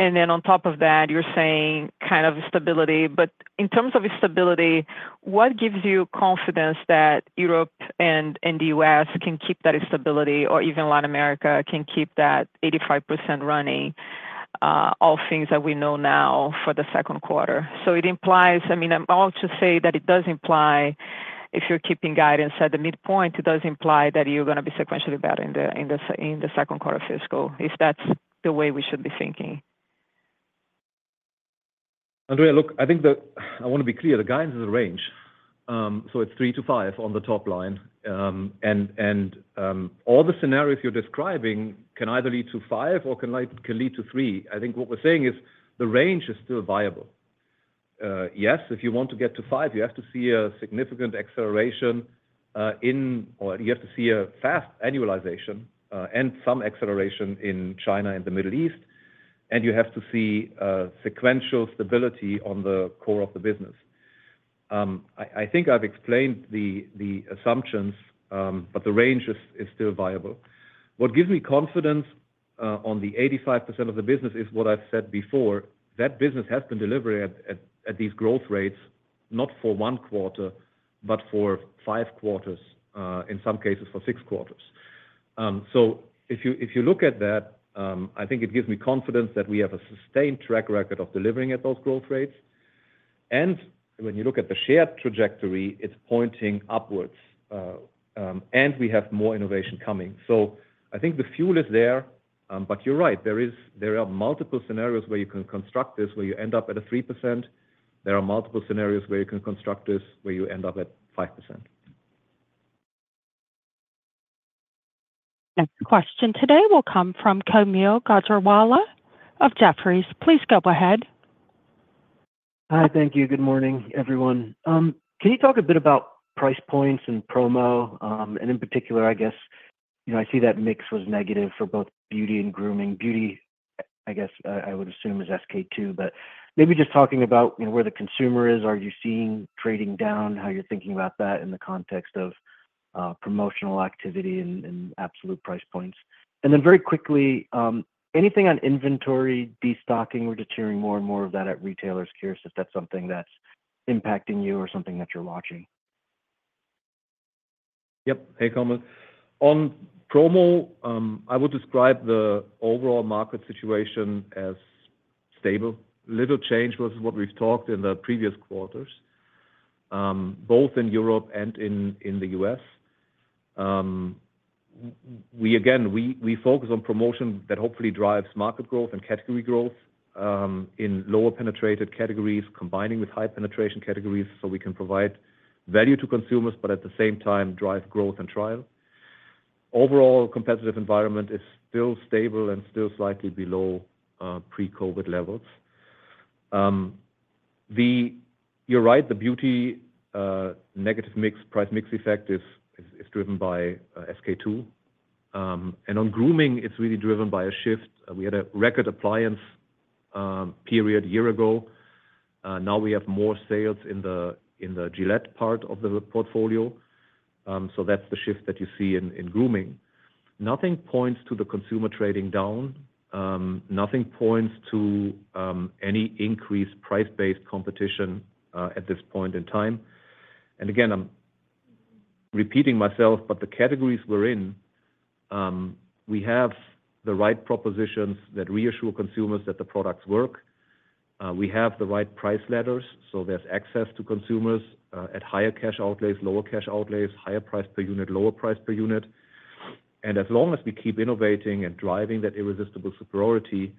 And then on top of that, you're saying kind of stability. But in terms of stability, what gives you confidence that Europe and the US can keep that stability, or even Latin America can keep that 85% running, all things that we know now for the second quarter? So, it implies, I mean, I'm all to say that it does imply, if you're keeping guidance at the midpoint, it does imply that you're gonna be sequentially better in the second quarter fiscal, if that's the way we should be thinking. Andrea, look, I think I wanna be clear, the guidance is a range, so it's three to five on the top line. And all the scenarios you're describing can either lead to five or can lead to three. I think what we're saying is the range is still viable. Yes, if you want to get to five, you have to see a significant acceleration, or you have to see a fast annualization, and some acceleration in China and the Middle East, and you have to see sequential stability on the core of the business. I think I've explained the assumptions, but the range is still viable. What gives me confidence on the 85% of the business is what I've said before that business has been delivering at these growth rates, not for one quarter, but for five quarters, in some cases for six quarters. So, if you look at that, I think it gives me confidence that we have a sustained track record of delivering at those growth rates. When you look at the shared trajectory, it's pointing upwards, and we have more innovation coming. So, I think the fuel is there, but you're right, there are multiple scenarios where you can construct this, where you end up at a 3%. There are multiple scenarios where you can construct this, where you end up at a 5%. Next question today will come from Kaumil Gajrawala of Jefferies. Please go ahead. Hi, thank you. Good morning, everyone. Can you talk a bit about price points and promo? And in particular, I guess, you know, I see that mix was negative for both beauty and grooming. Beauty, I guess, I would assume is SK-II, but maybe just talking about, you know, where the consumer is, are you seeing trading down, how you're thinking about that in the context of, promotional activity and, and absolute price points? And then very quickly, anything on inventory, destocking, we're just hearing more and more of that at retailers. Curious if that's something that's impacting you or something that you're watching? Yep. Hey, Kaumil. On promo, I would describe the overall market situation as stable. Little change was what we've talked in the previous quarters, both in Europe and in the US. We again focus on promotion that hopefully drives market growth and category growth, in lower penetrated categories, combining with high penetration categories, so we can provide value to consumers, but at the same time, drive growth and trial. Overall, competitive environment is still stable and still slightly below pre-COVID levels. You're right, the beauty negative mix, price mix effect is driven by SK-II. And on grooming, it's really driven by a shift. We had a record appliance period a year ago. Now we have more sales in the Gillette part of the portfolio. So that's the shift that you see in grooming. Nothing points to the consumer trading down. Nothing points to any increased price-based competition at this point in time. And again, I'm repeating myself, but the categories we're in, we have the right propositions that reassure consumers that the products work. We have the right price ladders, so there's access to consumers at higher cash outlays, lower cash outlays, higher price per unit, lower price per unit. And as long as we keep innovating and driving that irresistible superiority,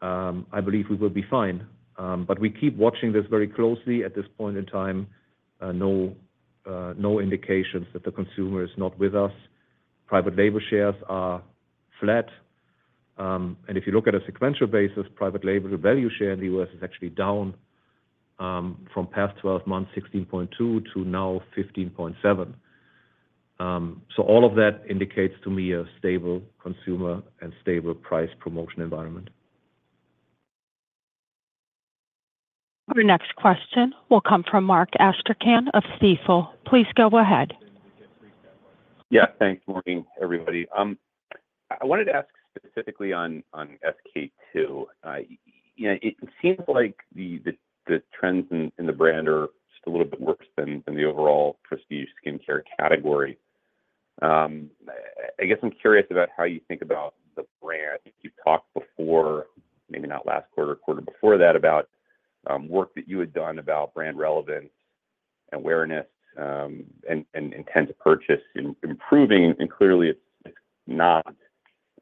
I believe we will be fine. But we keep watching this very closely. At this point in time, no indications that the consumer is not with us. Private label shares are flat. And if you look at a sequential basis, private label, the value share in the U.S. is actually down from past twelve months, 16.2% to now 15.7%. So, all of that indicates to me a stable consumer and stable price promotion environment. Your next question will come from Mark Astrachan of Stifel. Please go ahead. Yeah, thanks. Morning, everybody. I wanted to ask specifically on SK-II. You know, it seems like the trends in the brand are just a little bit worse than the overall prestige skincare category. I guess I'm curious about how you think about the brand. You've talked before, maybe not last quarter, quarter before that, about work that you had done about brand relevance, awareness, and intent to purchase, improving, and clearly, it's not.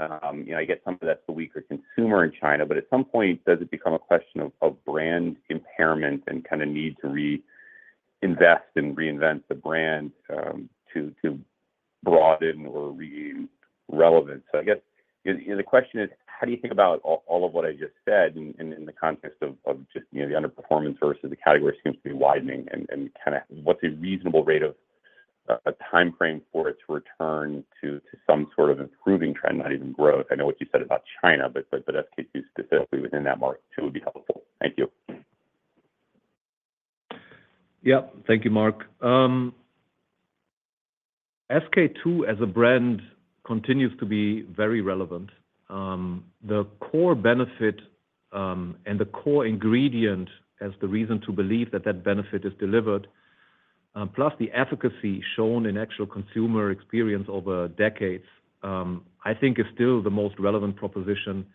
You know, I guess some of that's the weaker consumer in China, but at some point, does it become a question of brand impairment and kinda need to reinvest and reinvent the brand to broaden or regain relevance? So I guess, you know, the question is: how do you think about all of what I just said in the context of just, you know, the underperformance versus the category seems to be widening, and kinda what's a reasonable timeframe for it to return to some sort of improving trend, not even growth? I know what you said about China, but SK-II specifically within that market, too, would be helpful. Thank you. Yeah. Thank you, Mark. SK-II, as a brand, continues to be very relevant. The core benefit, and the core ingredient as the reason to believe that that benefit is delivered, plus the efficacy shown in actual consumer experience over decades, I think is still the most relevant proposition,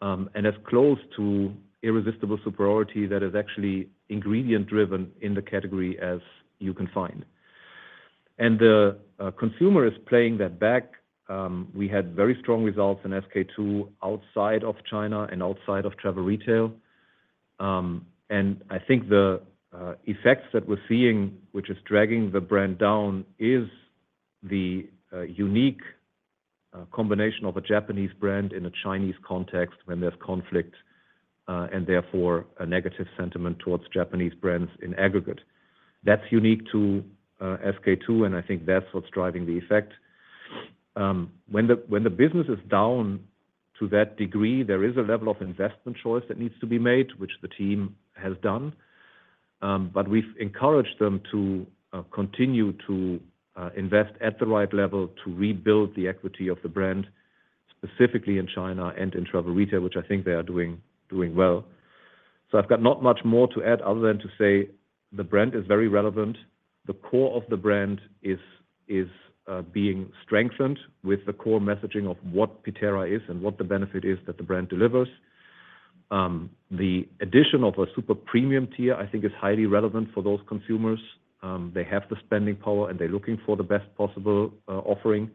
and as close to irresistible superiority that is actually ingredient-driven in the category as you can find, and the consumer is playing that back. We had very strong results in SK-II outside of China and outside of travel retail, and I think the effects that we're seeing, which is dragging the brand down, is the unique combination of a Japanese brand in a Chinese context when there's conflict, and therefore, a negative sentiment towards Japanese brands in aggregate. That's unique to SK-II, and I think that's what's driving the effect. When the business is down to that degree, there is a level of investment choice that needs to be made, which the team has done. But we've encouraged them to continue to invest at the right level to rebuild the equity of the brand, specifically in China and in travel retail, which I think they are doing well. So I've got not much more to add other than to say the brand is very relevant. The core of the brand is being strengthened with the core messaging of what Pitera is and what the benefit is that the brand delivers. The addition of a super premium tier, I think, is highly relevant for those consumers. They have the spending power, and they're looking for the best possible offering,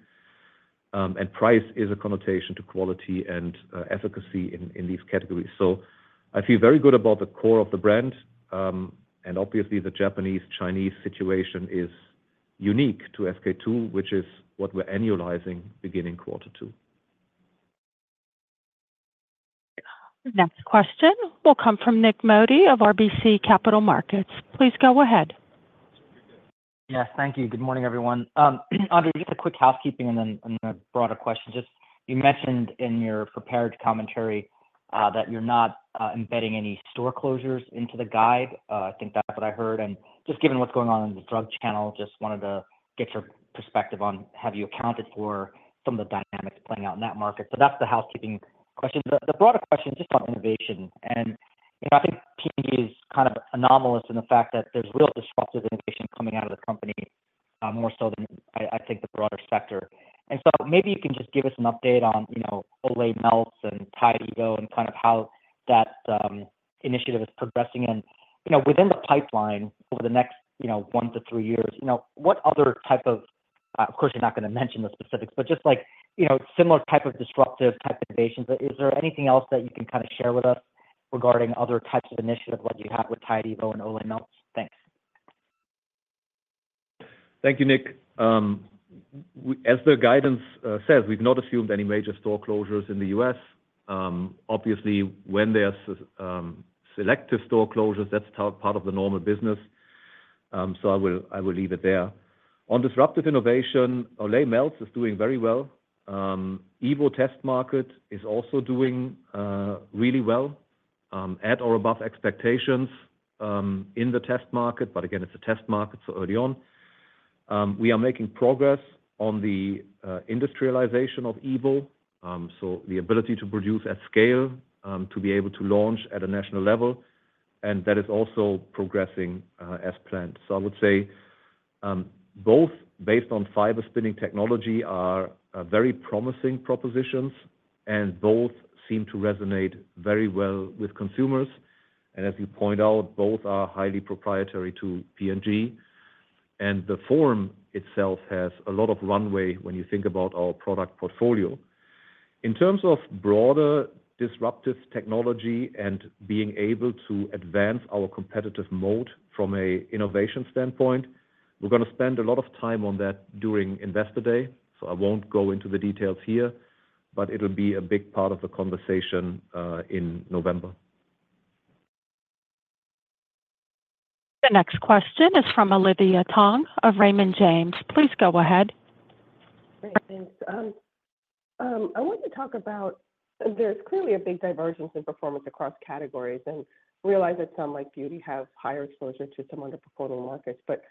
and price is a connotation to quality and efficacy in these categories, so I feel very good about the core of the brand, and obviously, the Japanese-Chinese situation is unique to SK-II, which is what we're annualizing beginning quarter two. Next question will come from Nik Modi of RBC Capital Markets. Please go ahead. Yes, thank you. Good morning, everyone. Andre, just a quick housekeeping and then a broader question. Just, you mentioned in your prepared commentary that you're not embedding any store closures into the guide. I think that's what I heard, and just given what's going on in the drug channel, just wanted to get your perspective on, have you accounted for some of the dynamics playing out in that market? So that's the housekeeping question. The broader question is just on innovation, and you know, I think P&G is kind of anomalous in the fact that there's real disruptive innovation coming out of the company, more so than I think the broader sector, and so maybe you can just give us an update on, you know, Olay Melts and Tide Evo and kind of how that initiative is progressing. You know, within the pipeline over the next, you know, one to three years, you know, what other type of... Of course, you're not gonna mention the specifics, but just like, you know, similar type of disruptive type innovations. Is there anything else that you can kind of share with us regarding other types of initiatives like you have with Tide Evo and Olay Melts? Thanks. Thank you, Nick. As the guidance says, we've not assumed any major store closures in the U.S. Obviously, when there are selective store closures, that's part of the normal business. So, I will leave it there. On disruptive innovation, Olay Melts is doing very well. Evo test market is also doing really well, at or above expectations, in the test market. But again, it's a test market, so early on. We are making progress on the industrialization of Evo, so the ability to produce at scale, to be able to launch at a national level, and that is also progressing as planned. So, I would say, both based on fiber spinning technology, are very promising propositions, and both seem to resonate very well with consumers. As you point out, both are highly proprietary to P&G, and the form itself has a lot of runway when you think about our product portfolio. In terms of broader disruptive technology and being able to advance our competitive moat from an innovation standpoint, we're gonna spend a lot of time on that during Investor Day, so I won't go into the details here, but it'll be a big part of the conversation in November. The next question is from Olivia Tong of Raymond James. Please go ahead. Great, thanks. I want to talk about... There's clearly a big divergence in performance across categories, and I realize that some, like beauty, have higher exposure to some underperforming markets. But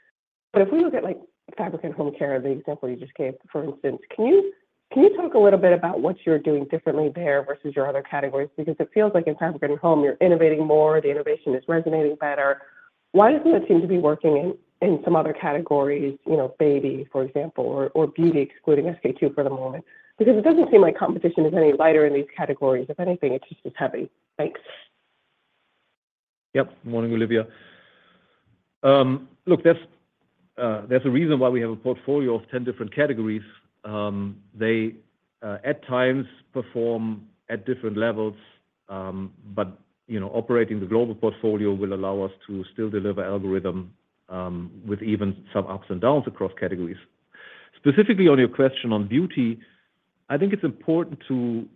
if we look at, like, fabric and home care, the example you just gave, for instance, can you talk a little bit about what you're doing differently there versus your other categories? Because it feels like in fabric and home, you're innovating more, the innovation is resonating better. Why doesn't it seem to be working in some other categories, you know, baby, for example, or beauty, excluding SK-II for the moment? Because it doesn't seem like competition is any lighter in these categories. If anything, it's just as heavy. Thanks. Yep. Morning, Olivia. Look, that's, there's a reason why we have a portfolio of 10 different categories. They, at times, perform at different levels, but, you know, operating the global portfolio will allow us to still deliver all-in, with even some ups and downs across categories. Specifically on your question on beauty, I think it's important to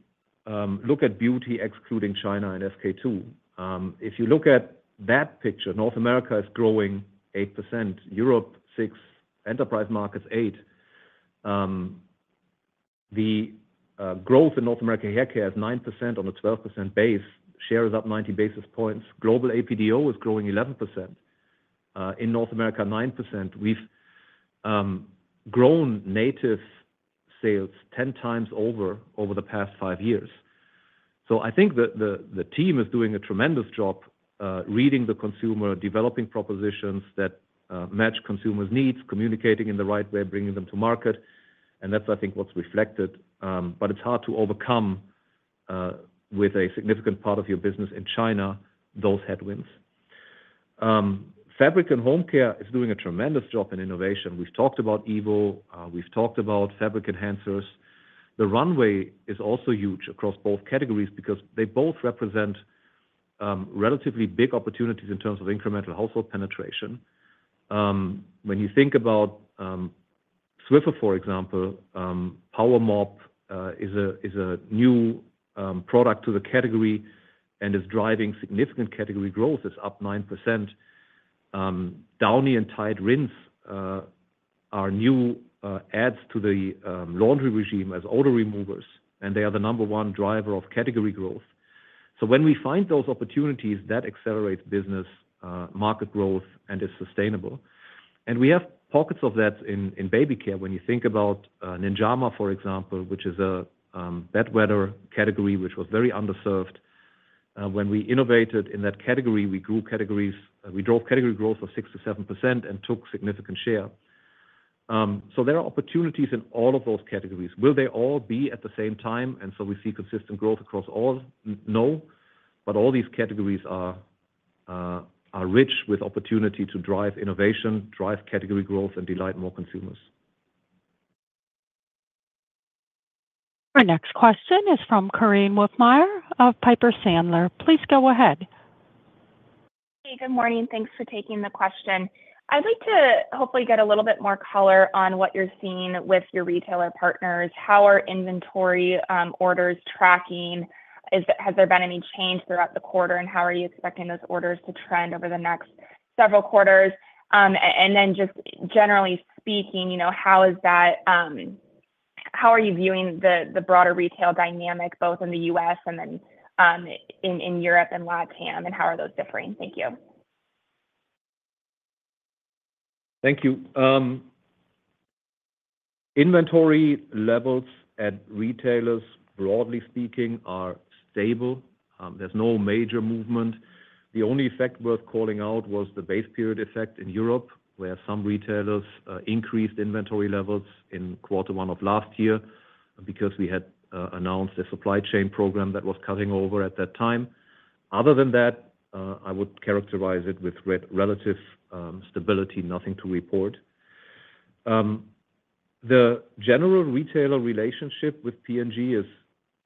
look at beauty excluding China and SK-II. If you look at that picture, North America is growing 8%, Europe, 6%, enterprise markets, 8%. The growth in North American Hair Care is 9% on a 12% base, share is up 90 basis points. Global APDO is growing 11%, in North America, 9%. We've grown Native sales 10 times over the past 5 years. So I think the team is doing a tremendous job reading the consumer, developing propositions that match consumers' needs, communicating in the right way, bringing them to market, and that's, I think, what's reflected. But it's hard to overcome with a significant part of your business in China, those headwinds. Fabric and home care is doing a tremendous job in innovation. We've talked about Evo, we've talked about fabric enhancers. The runway is also huge across both categories because they both represent relatively big opportunities in terms of incremental household penetration. When you think about Swiffer, for example, PowerMop is a new product to the category and is driving significant category growth. It's up 9%. Downy and Tide Rinse are new adds to the laundry regime as odor removers, and they are the number one driver of category growth. So when we find those opportunities, that accelerates business market growth, and is sustainable. And we have pockets of that in baby care. When you think about Ninjamas, for example, which is a bedwetter category, which was very underserved. When we innovated in that category, we drove category growth of 6%-7% and took significant share. So there are opportunities in all of those categories. Will they all be at the same time, and so we see consistent growth across all? No, but all these categories are rich with opportunity to drive innovation, drive category growth, and delight more consumers. Our next question is from Korinne Wolfmeyer of Piper Sandler. Please go ahead. Hey, good morning. Thanks for taking the question. I'd like to hopefully get a little bit more color on what you're seeing with your retailer partners. How are inventory orders tracking? Has there been any change throughout the quarter, and how are you expecting those orders to trend over the next several quarters? And then just generally speaking, you know, how are you viewing the broader retail dynamic, both in the U.S. and then in Europe and LatAm, and how are those differing? Thank you. Thank you. Inventory levels at retailers, broadly speaking, are stable. There's no major movement. The only effect worth calling out was the base period effect in Europe, where some retailers increased inventory levels in quarter one of last year because we had announced a supply chain program that was cutting over at that time. Other than that, I would characterize it with relative stability, nothing to report. The general retailer relationship with P&G is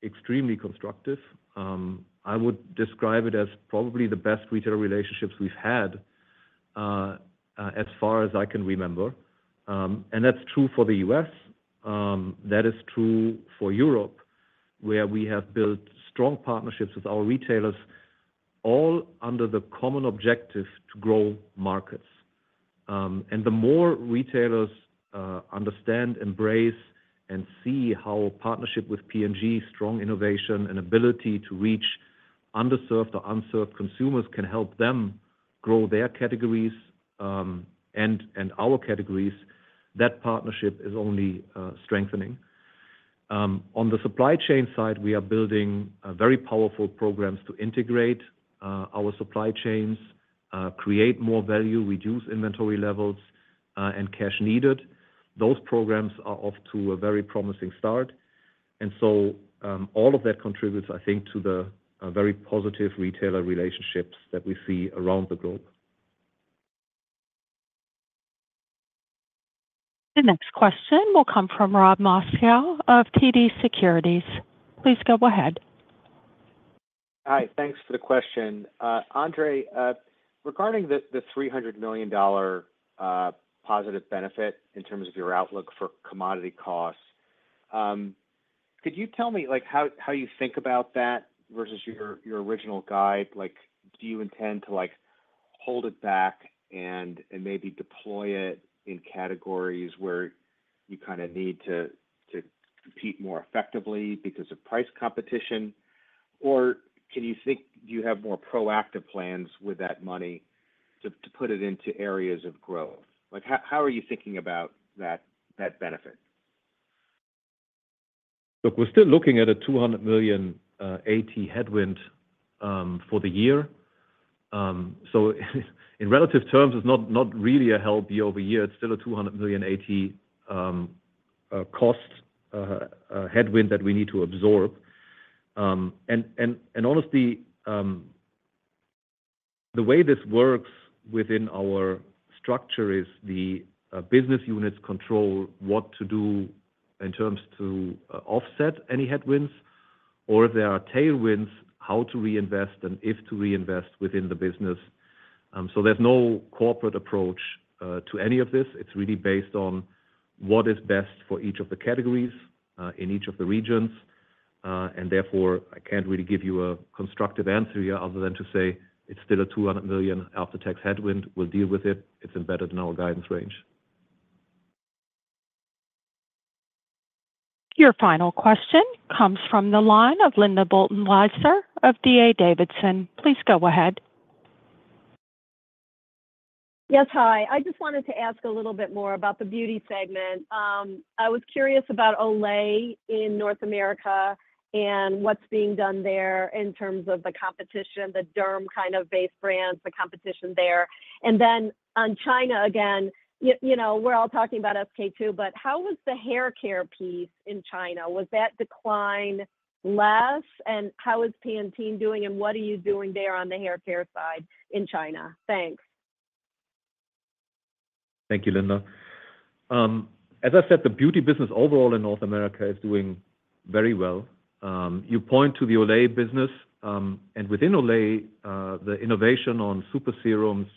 extremely constructive. I would describe it as probably the best retailer relationships we've had as far as I can remember, and that's true for the US, that is true for Europe, where we have built strong partnerships with our retailers, all under the common objective to grow markets. And the more retailers understand, embrace, and see how a partnership with P&G, strong innovation, and ability to reach underserved or unserved consumers, can help them grow their categories and our categories, that partnership is only strengthening. On the supply chain side, we are building very powerful programs to integrate our supply chains, create more value, reduce inventory levels and cash needed. Those programs are off to a very promising start, and so all of that contributes, I think, to the very positive retailer relationships that we see around the globe. The next question will come from Rob Moskow of TD Securities. Please go ahead. Hi, thanks for the question. Andre, regarding the $300 million positive benefit in terms of your outlook for commodity costs, could you tell me, like, how you think about that versus your original guide? Like, do you intend to, like, hold it back and maybe deploy it in categories where you kinda need to compete more effectively because of price competition? Or can you think... Do you have more proactive plans with that money to put it into areas of growth? Like, how are you thinking about that benefit? Look, we're still looking at a $200 million AT headwind for the year. So, in relative terms, it's not, not really a healthy year-over-year. It's still a $200 million AT cost headwind that we need to absorb. And honestly, the way this works within our structure is the business units control what to do in terms of offset any headwinds, or if there are tailwinds, how to reinvest and if to reinvest within the business. So, there's no corporate approach to any of this. It's really based on what is best for each of the categories in each of the regions. And therefore, I can't really give you a constructive answer here other than to say it's still a $200 million after-tax headwind. We'll deal with it. It's embedded in our guidance range. Your final question comes from the line of Linda Bolton Weiser of D.A. Davidson. Please go ahead. Yes. Hi. I just wanted to ask a little bit more about the beauty segment. I was curious about Olay in North America and what's being done there in terms of the competition, the derm kind of base brands, the competition there. And then on China again, you know, we're all talking about SK-II, but how was the haircare piece in China? Was that decline less? And how is Pantene doing, and what are you doing there on the haircare side in China? Thanks. Thank you, Linda. As I said, the beauty business overall in North America is doing very well. You point to the Olay business, and within Olay, the innovation on Super Serums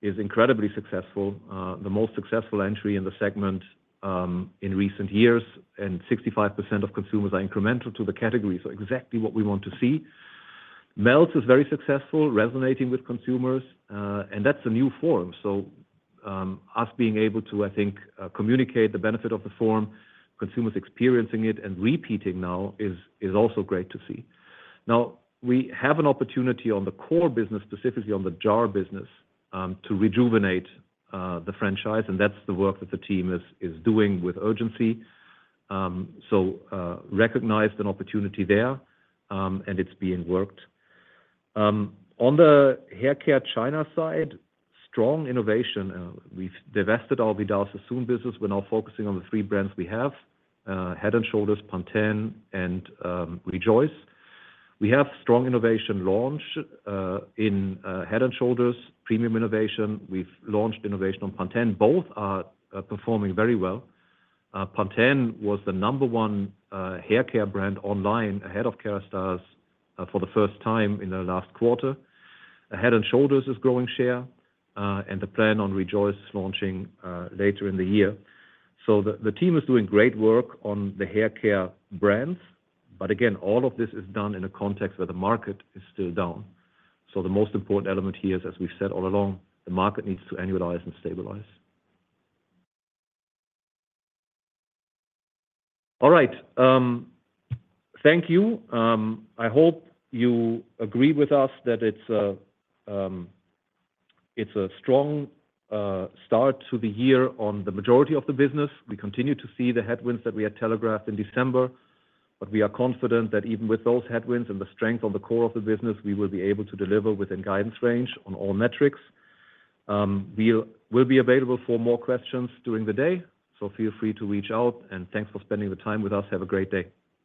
is incredibly successful, the most successful entry in the segment, in recent years, and 65% of consumers are incremental to the category. So exactly what we want to see. Melts is very successful, resonating with consumers, and that's a new form. So, us being able to, I think, communicate the benefit of the form, consumers experiencing it and repeating now is also great to see. Now, we have an opportunity on the core business, specifically on the jar business, to rejuvenate the franchise, and that's the work that the team is doing with urgency. So, recognized an opportunity there, and it's being worked. On the haircare China side, strong innovation. We've divested our Vidal Sassoon business. We're now focusing on the three brands we have, Head & Shoulders, Pantene, and Rejoice. We have strong innovation launch in Head & Shoulders premium innovation. We've launched innovation on Pantene. Both are performing very well. Pantene was the number one haircare brand online, ahead of Kérastase, for the first time in the last quarter. Head & Shoulders is growing share, and the plan on Rejoice is launching later in the year. So the team is doing great work on the haircare brands. But again, all of this is done in a context where the market is still down. So the most important element here is, as we've said all along, the market needs to annualize and stabilize. All right, thank you. I hope you agree with us that it's a strong start to the year on the majority of the business. We continue to see the headwinds that we had telegraphed in December, but we are confident that even with those headwinds and the strength of the core of the business, we will be able to deliver within guidance range on all metrics. We will be available for more questions during the day, so feel free to reach out, and thanks for spending the time with us. Have a great day.